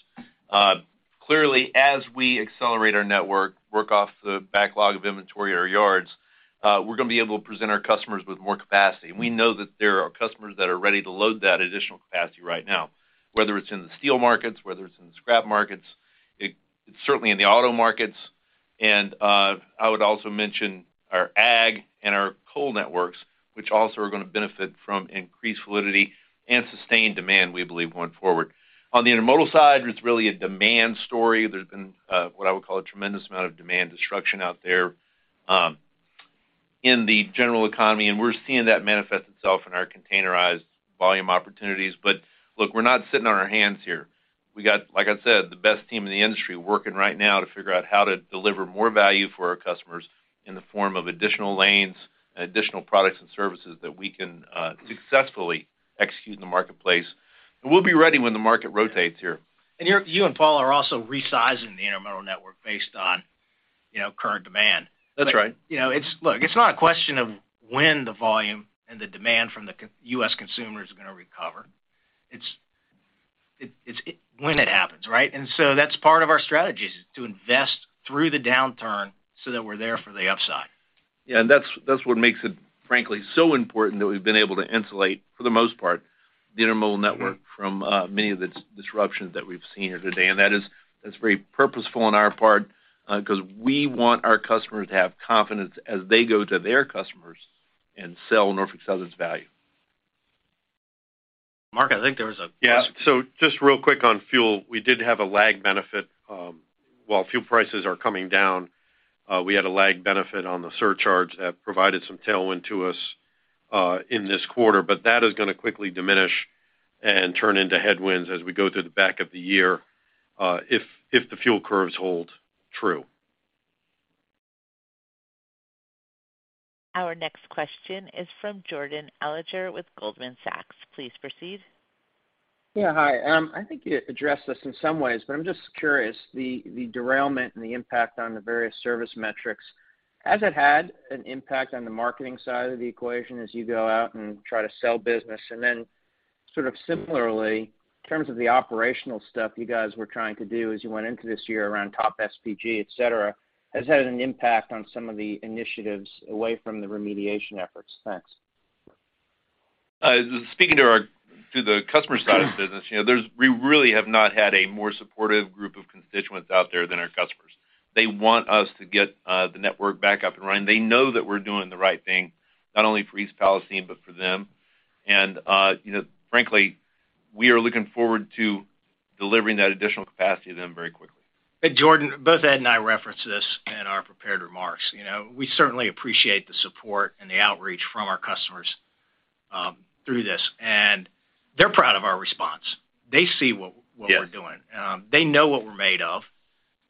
Clearly, as we accelerate our network, work off the backlog of inventory at our yards, we're gonna be able to present our customers with more capacity. We know that there are customers that are ready to load that additional capacity right now, whether it's in the steel markets, whether it's in the scrap markets, it's certainly in the auto markets. I would also mention our ag and our coal networks, which also are gonna benefit from increased fluidity and sustained demand, we believe, going forward. On the intermodal side, it's really a demand story. There's been what I would call a tremendous amount of demand destruction out there, in the general economy. We're seeing that manifest itself in our containerized volume opportunities. Look, we're not sitting on our hands here. We got, like I said, the best team in the industry working right now to figure out how to deliver more value for our customers in the form of additional lanes and additional products and services that we can successfully execute in the marketplace. We'll be ready when the market rotates here. You and Paul are also resizing the intermodal network based on, you know, current demand. That's right. You know, look, it's not a question of when the volume and the demand from the U.S. consumers are gonna recover. It's when it happens, right? That's part of our strategy, is to invest through the downturn so that we're there for the upside. Yeah, that's what makes it, frankly, so important that we've been able to insulate, for the most part, the intermodal network from many of the disruptions that we've seen here today. That's very purposeful on our part, 'cause we want our customers to have confidence as they go to their customers and sell Norfolk Southern's value. Mark, I think there was a question. Just real quick on fuel. We did have a lag benefit, while fuel prices are coming down, we had a lag benefit on the surcharge that provided some tailwind to us in this quarter. That is gonna quickly diminish and turn into headwinds as we go through the back of the year, if the fuel curves hold true. Our next question is from Jordan Alliger with Goldman Sachs. Please proceed. Hi. I think you addressed this in some ways, but I'm just curious, the derailment and the impact on the various service metrics, has it had an impact on the marketing side of the equation as you go out and try to sell business? Similarly, in terms of the operational stuff you guys were trying to do as you went into this year around Top SPG, et cetera, has had an impact on some of the initiatives away from the remediation efforts. Thanks. Speaking to the customer side of the business, you know, we really have not had a more supportive group of constituents out there than our customers. They want us to get the network back up and running. They know that we're doing the right thing, not only for East Palestine, but for them. You know, frankly, we are looking forward to delivering that additional capacity to them very quickly. Jordan, both Ed and I referenced this in our prepared remarks. You know, we certainly appreciate the support and the outreach from our customers through this. They're proud of our response. They see what we're doing. Yes. They know what we're made of.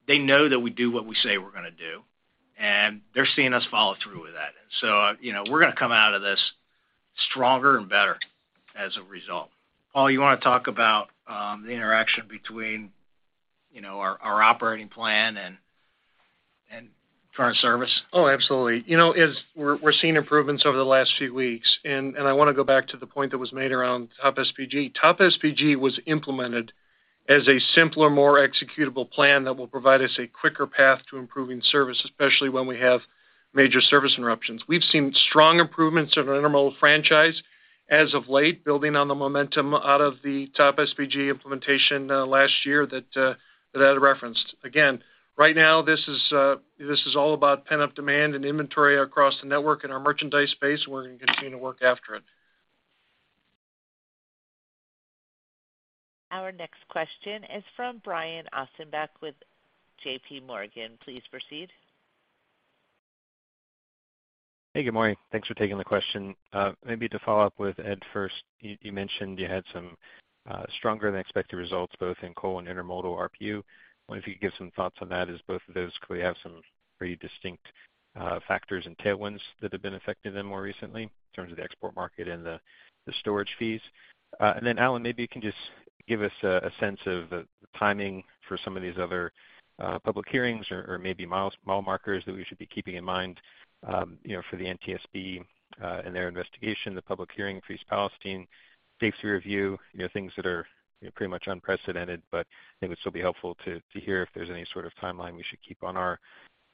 They know that we do what we say we're gonna do, and they're seeing us follow through with that. You know, we're gonna come out of this stronger and better as a result. Paul, you wanna talk about, the interaction between, you know, our operating plan and current service? Oh, absolutely. You know, as we're seeing improvements over the last few weeks, and I wanna go back to the point that was made around Top SPG. Top SPG was implemented as a simpler, more executable plan that will provide us a quicker path to improving service, especially when we have major service interruptions. We've seen strong improvements in our intermodal franchise as of late, building on the momentum out of the Top SPG implementation last year that I referenced. Again, right now, this is all about pent-up demand and inventory across the network in our merchandise space. We're gonna continue to work after it. Our next question is from Brian Ossenbeck with JPMorgan. Please proceed. Hey, good morning. Thanks for taking the question. Maybe to follow up with Ed first. You mentioned you had some stronger than expected results both in coal and intermodal RPU. Wonder if you could give some thoughts on that as both of those clearly have some pretty distinct factors and tailwinds that have been affecting them more recently in terms of the export market and the storage fees? Then Alan, maybe you can just give us a sense of the timing for some of these other public hearings or maybe mile markers that we should be keeping in mind, you know, for the NTSB and their investigation, the public hearing for East Palestine safety review, you know, things that are, you know, pretty much unprecedented, but I think it would still be helpful to hear if there's any sort of timeline we should keep on our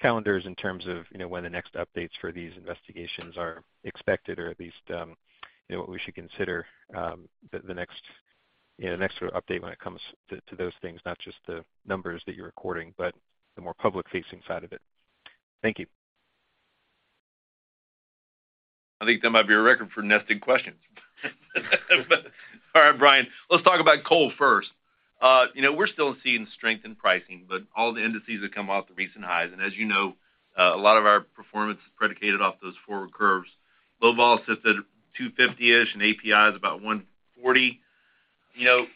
calendars in terms of, you know, when the next updates for these investigations are expected or at least, you know, what we should consider, the next update when it comes to those things, not just the numbers that you're recording, but the more public facing side of it. Thank you. I think that might be a record for nesting questions. All right, Brian, let's talk about coal first. You know, we're still seeing strength in pricing, but all the indices have come off the recent highs. As you know, a lot of our performance is predicated off those forward curves. Low vol sits at $250-ish, and API is about $140. You know,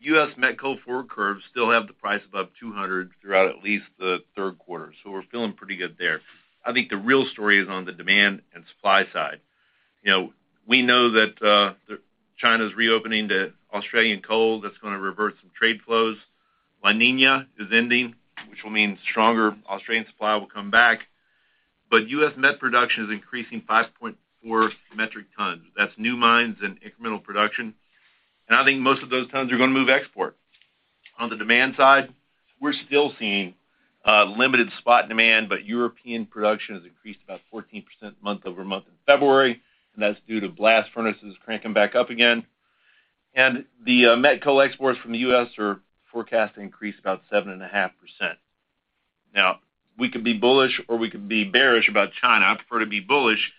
U.S. met coal forward curves still have the price above $200 throughout at least the third quarter, so we're feeling pretty good there. I think the real story is on the demand and supply side. You know, we know that China's reopening to Australian coal, that's gonna revert some trade flows. La Niña is ending, which will mean stronger Australian supply will come back, but U.S. met production is increasing 5.4 metric tons. That's new mines and incremental production, and I think most of those tons are gonna move export. On the demand side, we're still seeing limited spot demand, but European production has increased about 14% month-over-month in February, and that's due to blast furnaces cranking back up again. The met coal exports from the U.S. are forecast to increase about 7.5%. Now, we could be bullish or we could be bearish about China. I prefer to be bullish.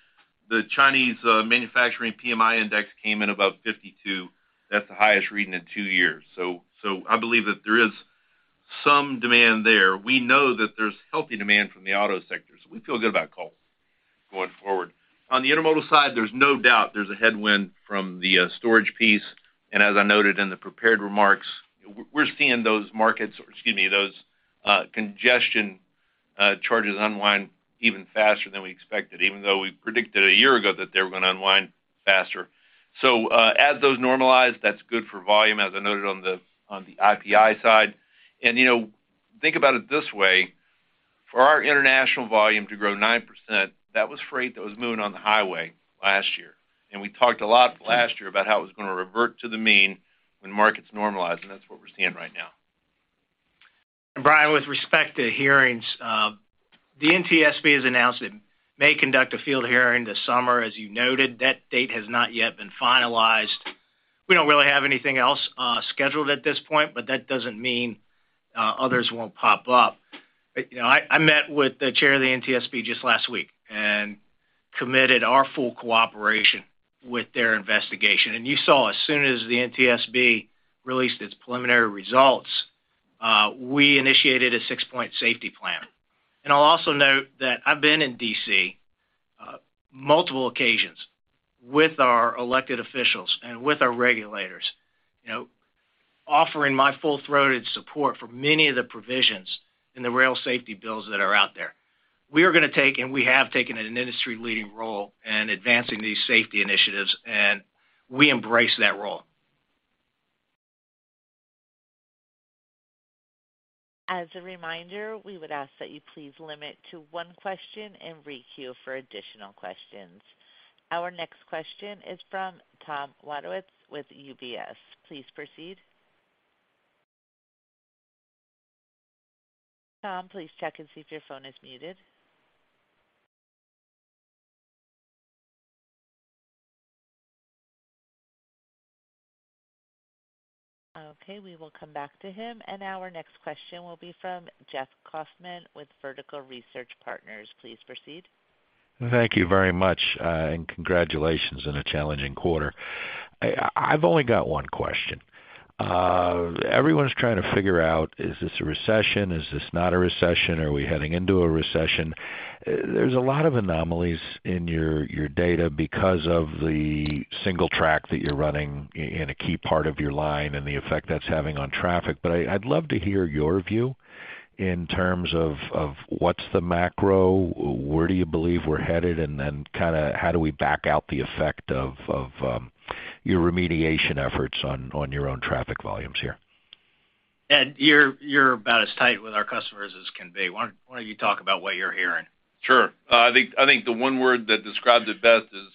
The Chinese manufacturing PMI index came in about 52. That's the highest reading in two years. I believe that there is some demand there. We know that there's healthy demand from the auto sector, so we feel good about coal going forward. On the intermodal side, there's no doubt there's a headwind from the storage piece. As I noted in the prepared remarks, we're seeing those markets, or excuse me, those congestion charges unwind even faster than we expected, even though we predicted a year ago that they were gonna unwind faster. As those normalize, that's good for volume, as I noted on the IPI side. You know, think about it this way. For our international volume to grow 9%, that was freight that was moving on the highway last year. We talked a lot last year about how it was gonna revert to the mean when markets normalize, and that's what we're seeing right now. Brian, with respect to hearings, the NTSB has announced it may conduct a field hearing this summer, as you noted. That date has not yet been finalized. We don't really have anything else scheduled at this point, but that doesn't mean others won't pop up. You know, I met with the chair of the NTSB just last week and committed our full cooperation with their investigation. You saw as soon as the NTSB released its preliminary results, we initiated a 6-point safety plan. I'll also note that I've been in D.C., multiple occasions with our elected officials and with our regulators, you know, offering my full-throated support for many of the provisions in the rail safety bills that are out there. We are gonna take, and we have taken an industry-leading role in advancing these safety initiatives, and we embrace that role. As a reminder, we would ask that you please limit to one question and re-queue for additional questions. Our next question is from Tom Wadewitz with UBS. Please proceed. Tom, please check and see if your phone is muted. Okay, we will come back to him. Our next question will be from Jeff Kauffman with Vertical Research Partners. Please proceed. Thank you very much, and congratulations on a challenging quarter. I've only got one question. Everyone's trying to figure out, is this a recession? Is this not a recession? Are we heading into a recession? There's a lot of anomalies in your data because of the single track that you're running in a key part of your line and the effect that's having on traffic. I'd love to hear your view in terms of what's the macro, where do you believe we're headed, and then kinda how do we back out the effect of your remediation efforts on your own traffic volumes here. Ed, you're about as tight with our customers as can be. Why don't you talk about what you're hearing? Sure. I think the one word that describes it best is,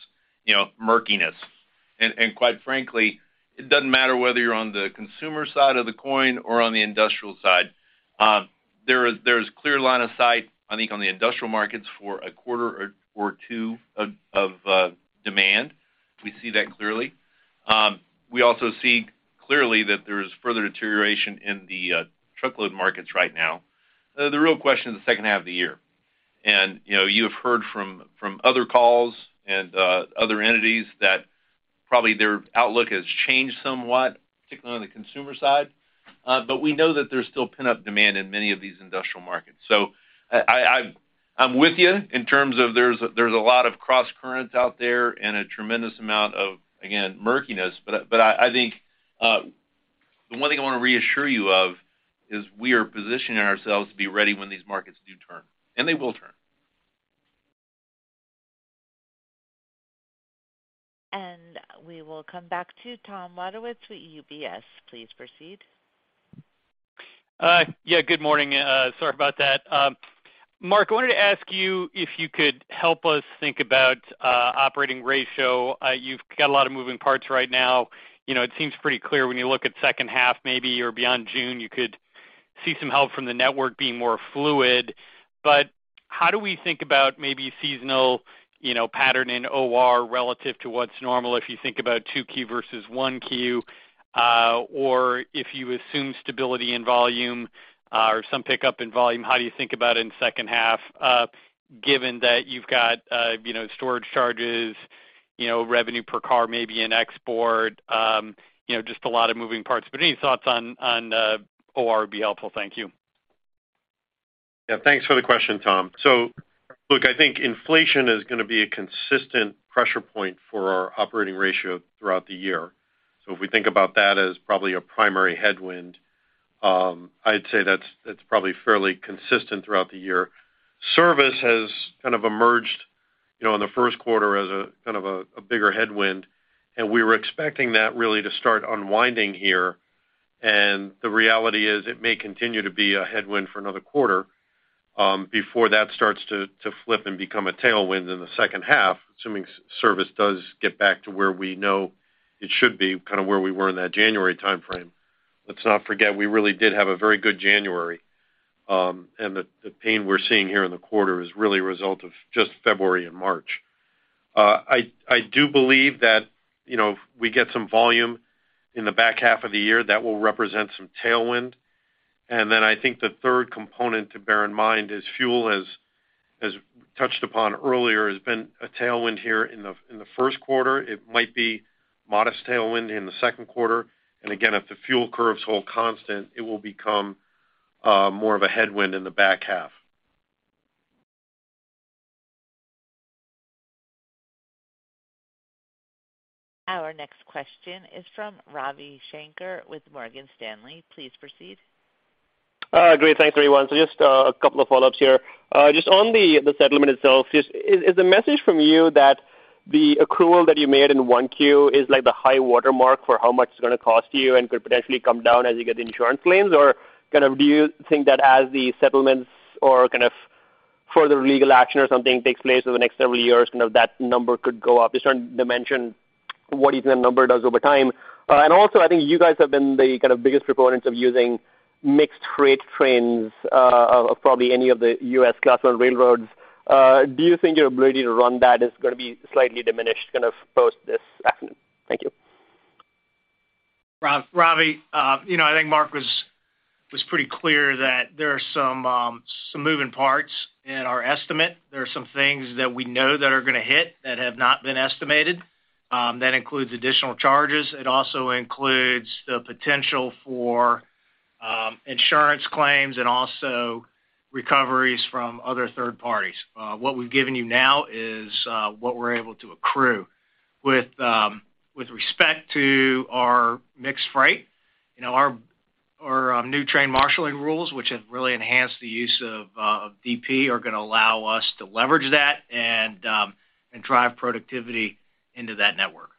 you know, murkiness. Quite frankly, it doesn't matter whether you're on the consumer side of the coin or on the industrial side. There is clear line of sight, I think, on the industrial markets for 1/4 or two of demand. We see that clearly. We also see clearly that there's further deterioration in the truckload markets right now. The real question is the second half of the year. You know, you have heard from other calls and other entities that probably their outlook has changed somewhat, particularly on the consumer side. We know that there's still pent-up demand in many of these industrial markets. I'm with you in terms of there's a lot of crosscurrents out there and a tremendous amount of, again, murkiness. I think the one thing I want to reassure you of is we are positioning ourselves to be ready when these markets do turn, and they will turn. We will come back to Tom Wadewitz with UBS. Please proceed. Yeah, good morning. Sorry about that. Mark, I wanted to ask you if you could help us think about operating ratio. You've got a lot of moving parts right now. You know, it seems pretty clear when you look at second half, maybe or beyond June, you could see some help from the network being more fluid. How do we think about maybe seasonal, you know, pattern in OR relative to what's normal if you think about 2Q versus 1Q? If you assume stability in volume, or some pickup in volume, how do you think about it in second half, given that you've got, you know, storage charges, you know, revenue per car maybe in export, you know, just a lot of moving parts, but any thoughts on OR would be helpful. Thank you. Yeah, thanks for the question, Tom. Look, I think inflation is going to be a consistent pressure point for our operating ratio throughout the year. If we think about that as probably a primary headwind, I'd say that's probably fairly consistent throughout the year. Service has kind of emerged, you know, in the first quarter as a, kind of a bigger headwind, and we were expecting that really to start unwinding here. The reality is it may continue to be a headwind for another quarter before that starts to flip and become a tailwind in the second half, assuming service does get back to where we know it should be, kind of where we were in that January timeframe. Let's not forget we really did have a very good January, and the pain we're seeing here in the quarter is really a result of just February and March. I do believe that, you know, if we get some volume in the back half of the year, that will represent some tailwind. Then I think the third component to bear in mind is fuel, as touched upon earlier, has been a tailwind here in the first quarter. It might be modest tailwind in the second quarter. Again, if the fuel curves hold constant, it will become more of a headwind in the back half. Our next question is from Ravi Shanker with Morgan Stanley. Please proceed. Great. Thanks, everyone. Just a couple of follow-ups here. Just on the settlement itself, is the message from you that the accrual that you made in 1Q is like the high watermark for how much it's gonna cost you and could potentially come down as you get insurance claims? Kind of do you think that as the settlements or kind of further legal action or something takes place over the next several years, kind of that number could go up? Just trying to dimension what each of the number does over time. Also, I think you guys have been the kind of biggest proponents of using mixed freight trains, of probably any of the U.S. Class I railroads. Do you think your ability to run that is gonna be slightly diminished kind of post this afternoon? Thank you. Ravi, you know, I think Mark was pretty clear that there are some moving parts in our estimate. There are some things that we know that are gonna hit that have not been estimated, that includes additional charges. It also includes the potential for insurance claims and also recoveries from other third parties. What we've given you now is what we're able to accrue. With respect to our mixed freight, you know, our new train marshaling rules, which have really enhanced the use of DP, are gonna allow us to leverage that and drive productivity into that network.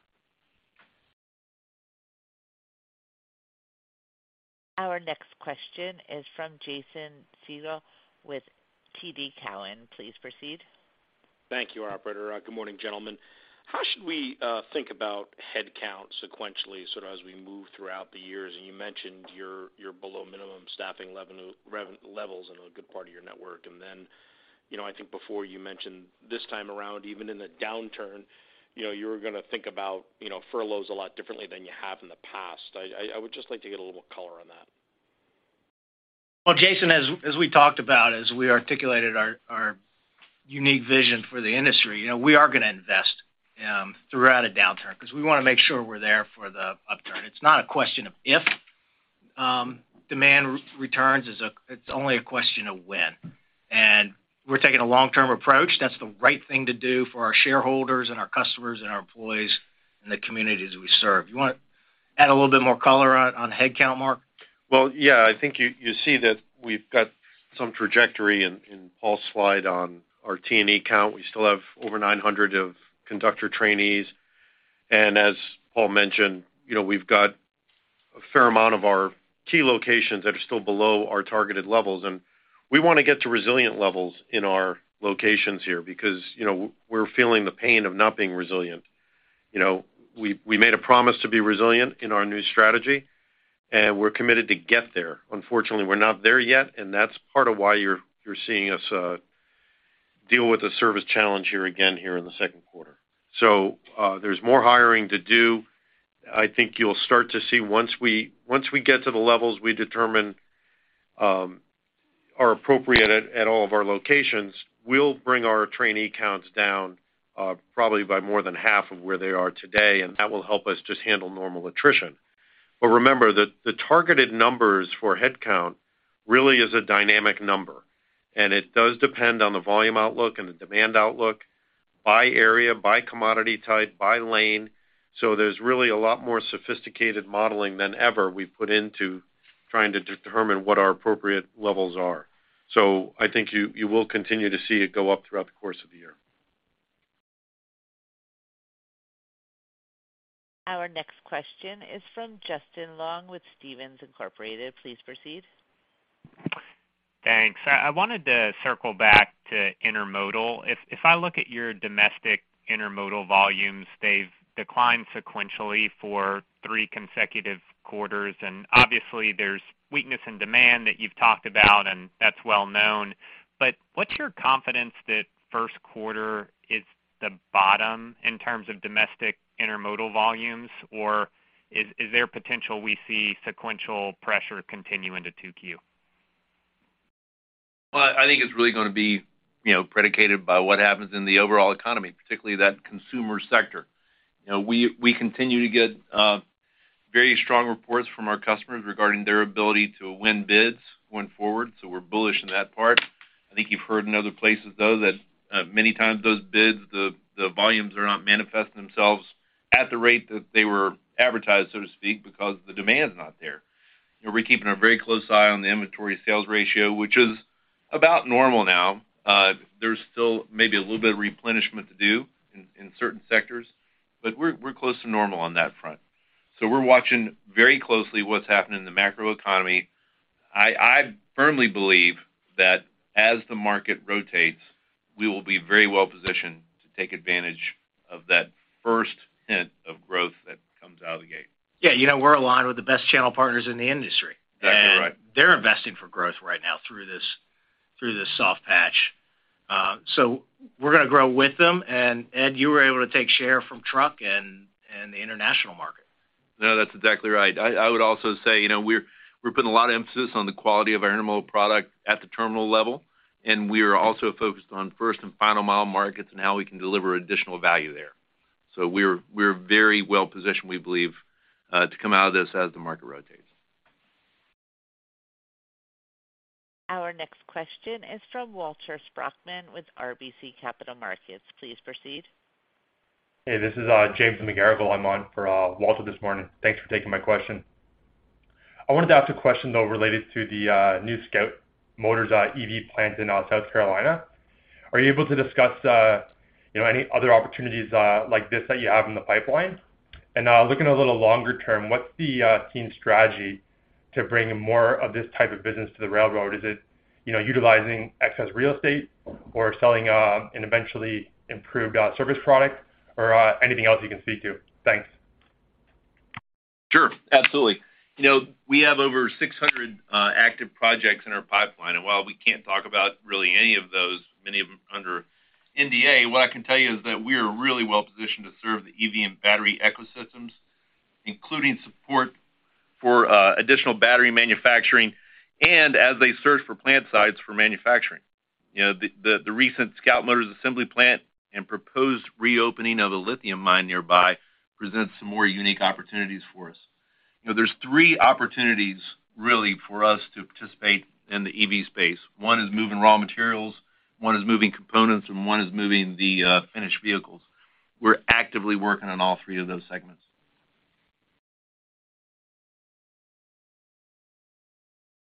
Our next question is from Jason Seidl with TD Cowen. Please proceed. Thank you, operator. Good morning, gentlemen. How should we think about headcount sequentially, sort of as we move throughout the years? You mentioned you're below minimum staffing levels in a good part of your network. Then, you know, I think before you mentioned this time around, even in the downturn, you know, you were gonna think about, you know, furloughs a lot differently than you have in the past. I would just like to get a little color on that. Well, Jason, as we talked about, as we articulated our unique vision for the industry, you know, we are gonna invest throughout a downturn because we wanna make sure we're there for the upturn. It's not a question of if demand re-returns. It's only a question of when. We're taking a long-term approach. That's the right thing to do for our shareholders and our customers and our employees and the communities we serve. You want to add a little bit more color on headcount, Mark? Well, yeah, I think you see that we've got some trajectory in Paul's slide on our T&E count. We still have over 900 of conductor trainees. As Paul mentioned, you know, we've got a fair amount of our key locations that are still below our targeted levels, and we wanna get to resilient levels in our locations here because, you know, we're feeling the pain of not being resilient. You know, we made a promise to be resilient in our new strategy. We're committed to get there. Unfortunately, we're not there yet, and that's part of why you're seeing us deal with a service challenge here again here in the second quarter. There's more hiring to do. I think you'll start to see once we get to the levels we determine, are appropriate at all of our locations, we'll bring our trainee counts down, probably by more than half of where they are today, and that will help us just handle normal attrition. Remember that the targeted numbers for headcount really is a dynamic number, and it does depend on the volume outlook and the demand outlook by area, by commodity type, by lane. There's really a lot more sophisticated modeling than ever we put into trying to determine what our appropriate levels are. I think you will continue to see it go up throughout the course of the year. Our next question is from Justin Long with Stephens Inc. Please proceed. Thanks. I wanted to circle back to intermodal. If I look at your domestic intermodal volumes, they've declined sequentially for three consecutive quarters. Obviously, there's weakness in demand that you've talked about, and that's well known. What's your confidence that first quarter is the bottom in terms of domestic intermodal volumes? Is there potential we see sequential pressure continue into 2Q? I think it's really gonna be, you know, predicated by what happens in the overall economy, particularly that consumer sector. You know, we continue to get very strong reports from our customers regarding their ability to win bids going forward, so we're bullish in that part. I think you've heard in other places, though, that many times those bids, the volumes are not manifesting themselves at the rate that they were advertised, so to speak, because the demand is not there. We're keeping a very close eye on the inventory sales ratio, which is about normal now. There's still maybe a little bit of replenishment to do in certain sectors, but we're close to normal on that front. We're watching very closely what's happening in the macro economy. I firmly believe that as the market rotates, we will be very well positioned to take advantage of that first hint of growth that comes out of the gate. Yeah, you know, we're aligned with the best channel partners in the industry. That's right. They're investing for growth right now through this, through this soft patch. We're gonna grow with them, Ed, you were able to take share from truck and the international market. No, that's exactly right. I would also say, you know, we're putting a lot of emphasis on the quality of our intermodal product at the terminal level, and we are also focused on first and final mile markets and how we can deliver additional value there. We're very well positioned, we believe, to come out of this as the market rotates. Our next question is from Walter Spracklin with RBC Capital Markets. Please proceed. Hey, this is James McGarragle. I'm on for Walter this morning. Thanks for taking my question. I wanted to ask a question, though, related to the new Scout Motors EV plant in South Carolina. Are you able to discuss, you know, any other opportunities like this that you have in the pipeline? Looking a little longer term, what's the team strategy to bring more of this type of business to the railroad? Is it, you know, utilizing excess real estate or selling an eventually improved service product or anything else you can speak to? Thanks. Sure. Absolutely. You know, we have over 600 active projects in our pipeline. While we can't talk about really any of those, many of them under NDA, what I can tell you is that we are really well positioned to serve the EV and battery ecosystems, including support for additional battery manufacturing and as they search for plant sites for manufacturing. You know, the recent Scout Motors assembly plant and proposed reopening of a lithium mine nearby presents some more unique opportunities for us. You know, there's three opportunities really for us to participate in the EV space. One is moving raw materials, one is moving components, and one is moving the finished vehicles. We're actively working on all three of those segments.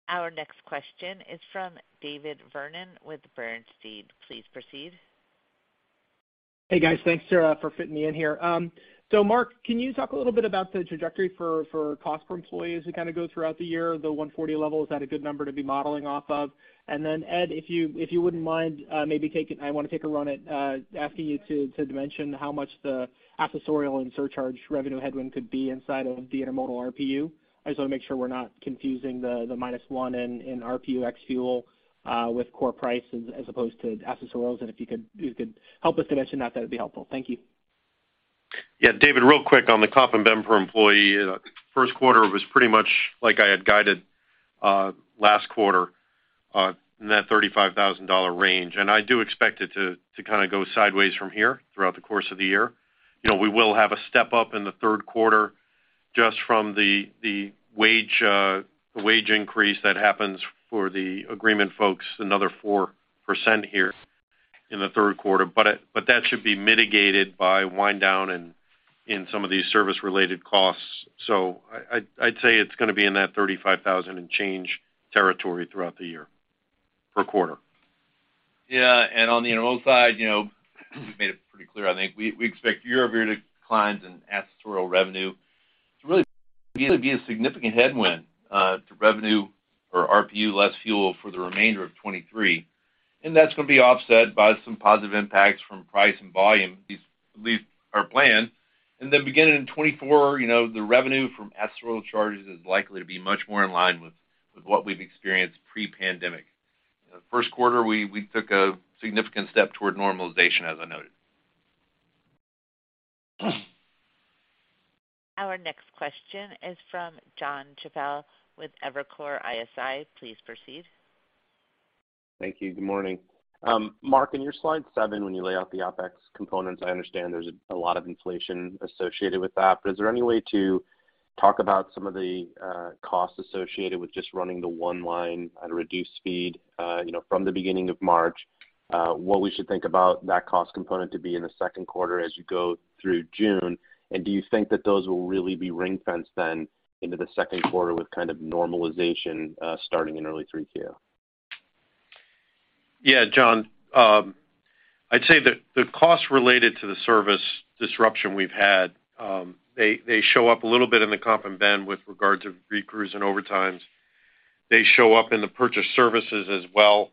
Our next question is from David Vernon with Bernstein. Please proceed. Hey, guys. Thanks, Sara, for fitting me in here. Mark, can you talk a little bit about the trajectory for cost per employees as we kinda go throughout the year? The 140 level, is that a good number to be modeling off of? Ed, I want to take a run at asking you to mention how much the accessorial and surcharge revenue headwind could be inside of the intermodal RPU. I just wanna make sure we're not confusing the -1 in RPU ex fuel with core price as opposed to accessorials. If you could help us dimension that'd be helpful. Thank you. Yeah, David, real quick on the comp and benefit employee. First quarter was pretty much like I had guided last quarter in that $35,000 range, I do expect it to kind of go sideways from here throughout the course of the year. You know, we will have a step-up in the third quarter just from the wage increase that happens for the agreement folks, another 4% here in the third quarter. That should be mitigated by wind down in some of these service-related costs. I'd say it's gonna be in that $35,000 and change territory throughout the year per quarter. Yeah. On the intermodal side, you know, we expect year-over-year declines in excess rail revenue to really be a significant headwind to revenue or RPU less fuel for the remainder of 2023. That's gonna be offset by some positive impacts from price and volume. These at least are planned. Beginning in 2024, you know, the revenue from excess rail charges is likely to be much more in line with what we've experienced pre-pandemic. First quarter, we took a significant step toward normalization, as I noted. Our next question is from Jonathan Chappell with Evercore ISI. Please proceed. Thank you. Good morning. Mark, in your slide seven, when you lay out the OpEx components, I understand there's a lot of inflation associated with that, but is there any way to talk about some of the costs associated with just running the one line at a reduced speed, you know, from the beginning of March? What we should think about that cost component to be in the second quarter as you go through June? Do you think that those will really be ring-fence then into the second quarter with kind of normalization starting in early 3Q? John. I'd say the costs related to the service disruption we've had, they show up a little bit in the comp and ben with regards of recrews and overtimes. They show up in the purchase services as well.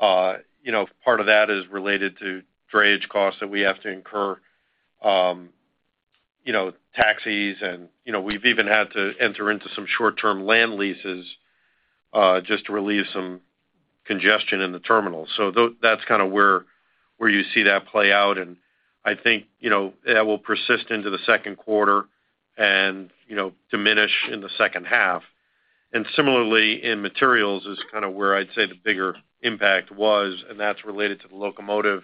You know, part of that is related to drayage costs that we have to incur, you know, taxis and, you know, we've even had to enter into some short-term land leases, just to relieve some congestion in the terminal. That's kind of where you see that play out. I think, you know, that will persist into the second quarter and, you know, diminish in the second half. Similarly in materials is kind of where I'd say the bigger impact was, and that's related to the locomotive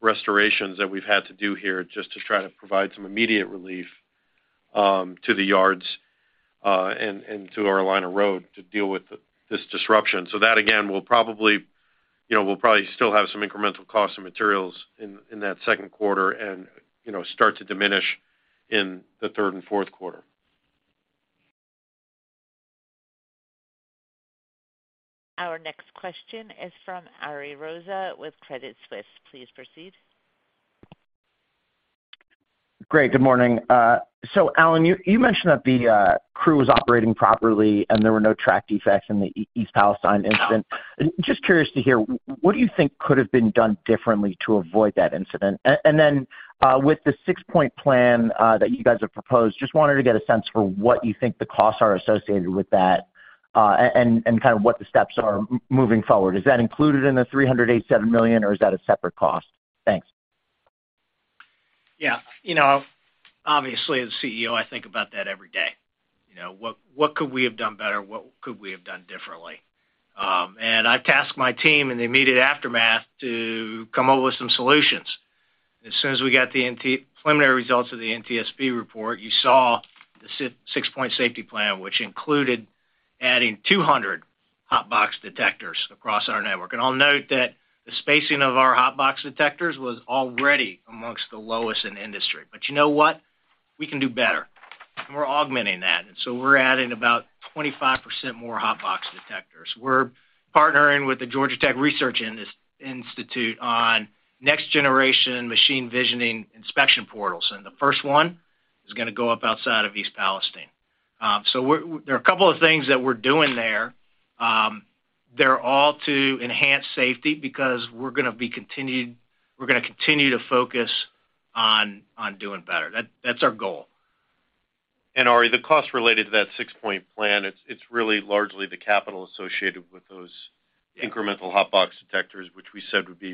restorations that we've had to do here just to try to provide some immediate relief to the yards and to our line of road to deal with this disruption. That, again, will probably, you know, we'll probably still have some incremental cost of materials in that second quarter and, you know, start to diminish in the third and fourth quarter. Our next question is from Ari Rosa with Credit Suisse. Please proceed. Great. Good morning. Alan, you mentioned that the crew was operating properly and there were no track defects in the East Palestine incident. Just curious to hear, what do you think could have been done differently to avoid that incident? Then, with the 6-point plan that you guys have proposed, just wanted to get a sense for what you think the costs are associated with that, and kind of what the steps are moving forward. Is that included in the $387 million, or is that a separate cost? Thanks. Yeah. You know, obviously, as CEO, I think about that every day. You know, what could we have done better? What could we have done differently? I've tasked my team in the immediate aftermath to come up with some solutions. As soon as we got the preliminary results of the NTSB report, you saw the 6-point safety plan, which included adding 200 hot box detectors across our network. I'll note that the spacing of our hot box detectors was already amongst the lowest in the industry. You know what? We can do better, and we're augmenting that. We're adding about 25% more hot box detectors. We're partnering with the Georgia Tech Research Institute on next-generation machine visioning inspection portals, and the first one is gonna go up outside of East Palestine. There are a couple of things that we're doing there. They're all to enhance safety because we're gonna continue to focus on doing better. That's our goal. Ari, the cost related to that six-point plan, it's really largely the capital associated with those incremental hot box detectors, which we said would be,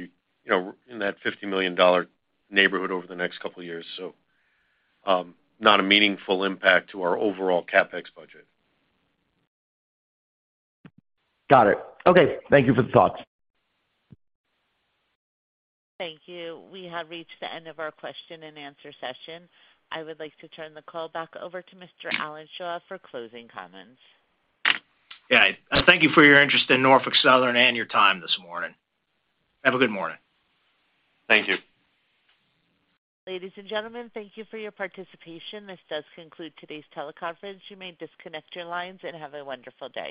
you know, in that $50 million neighborhood over the next couple of years. Not a meaningful impact to our overall CapEx budget. Got it. Okay. Thank you for the thoughts. Thank you. We have reached the end of our question-and-answer session. I would like to turn the call back over to Mr. Alan Shaw for closing comments. Yeah. I thank you for your interest in Norfolk Southern and your time this morning. Have a good morning. Thank you. Ladies and gentlemen, thank you for your participation. This does conclude today's teleconference. You may disconnect your lines and have a wonderful day.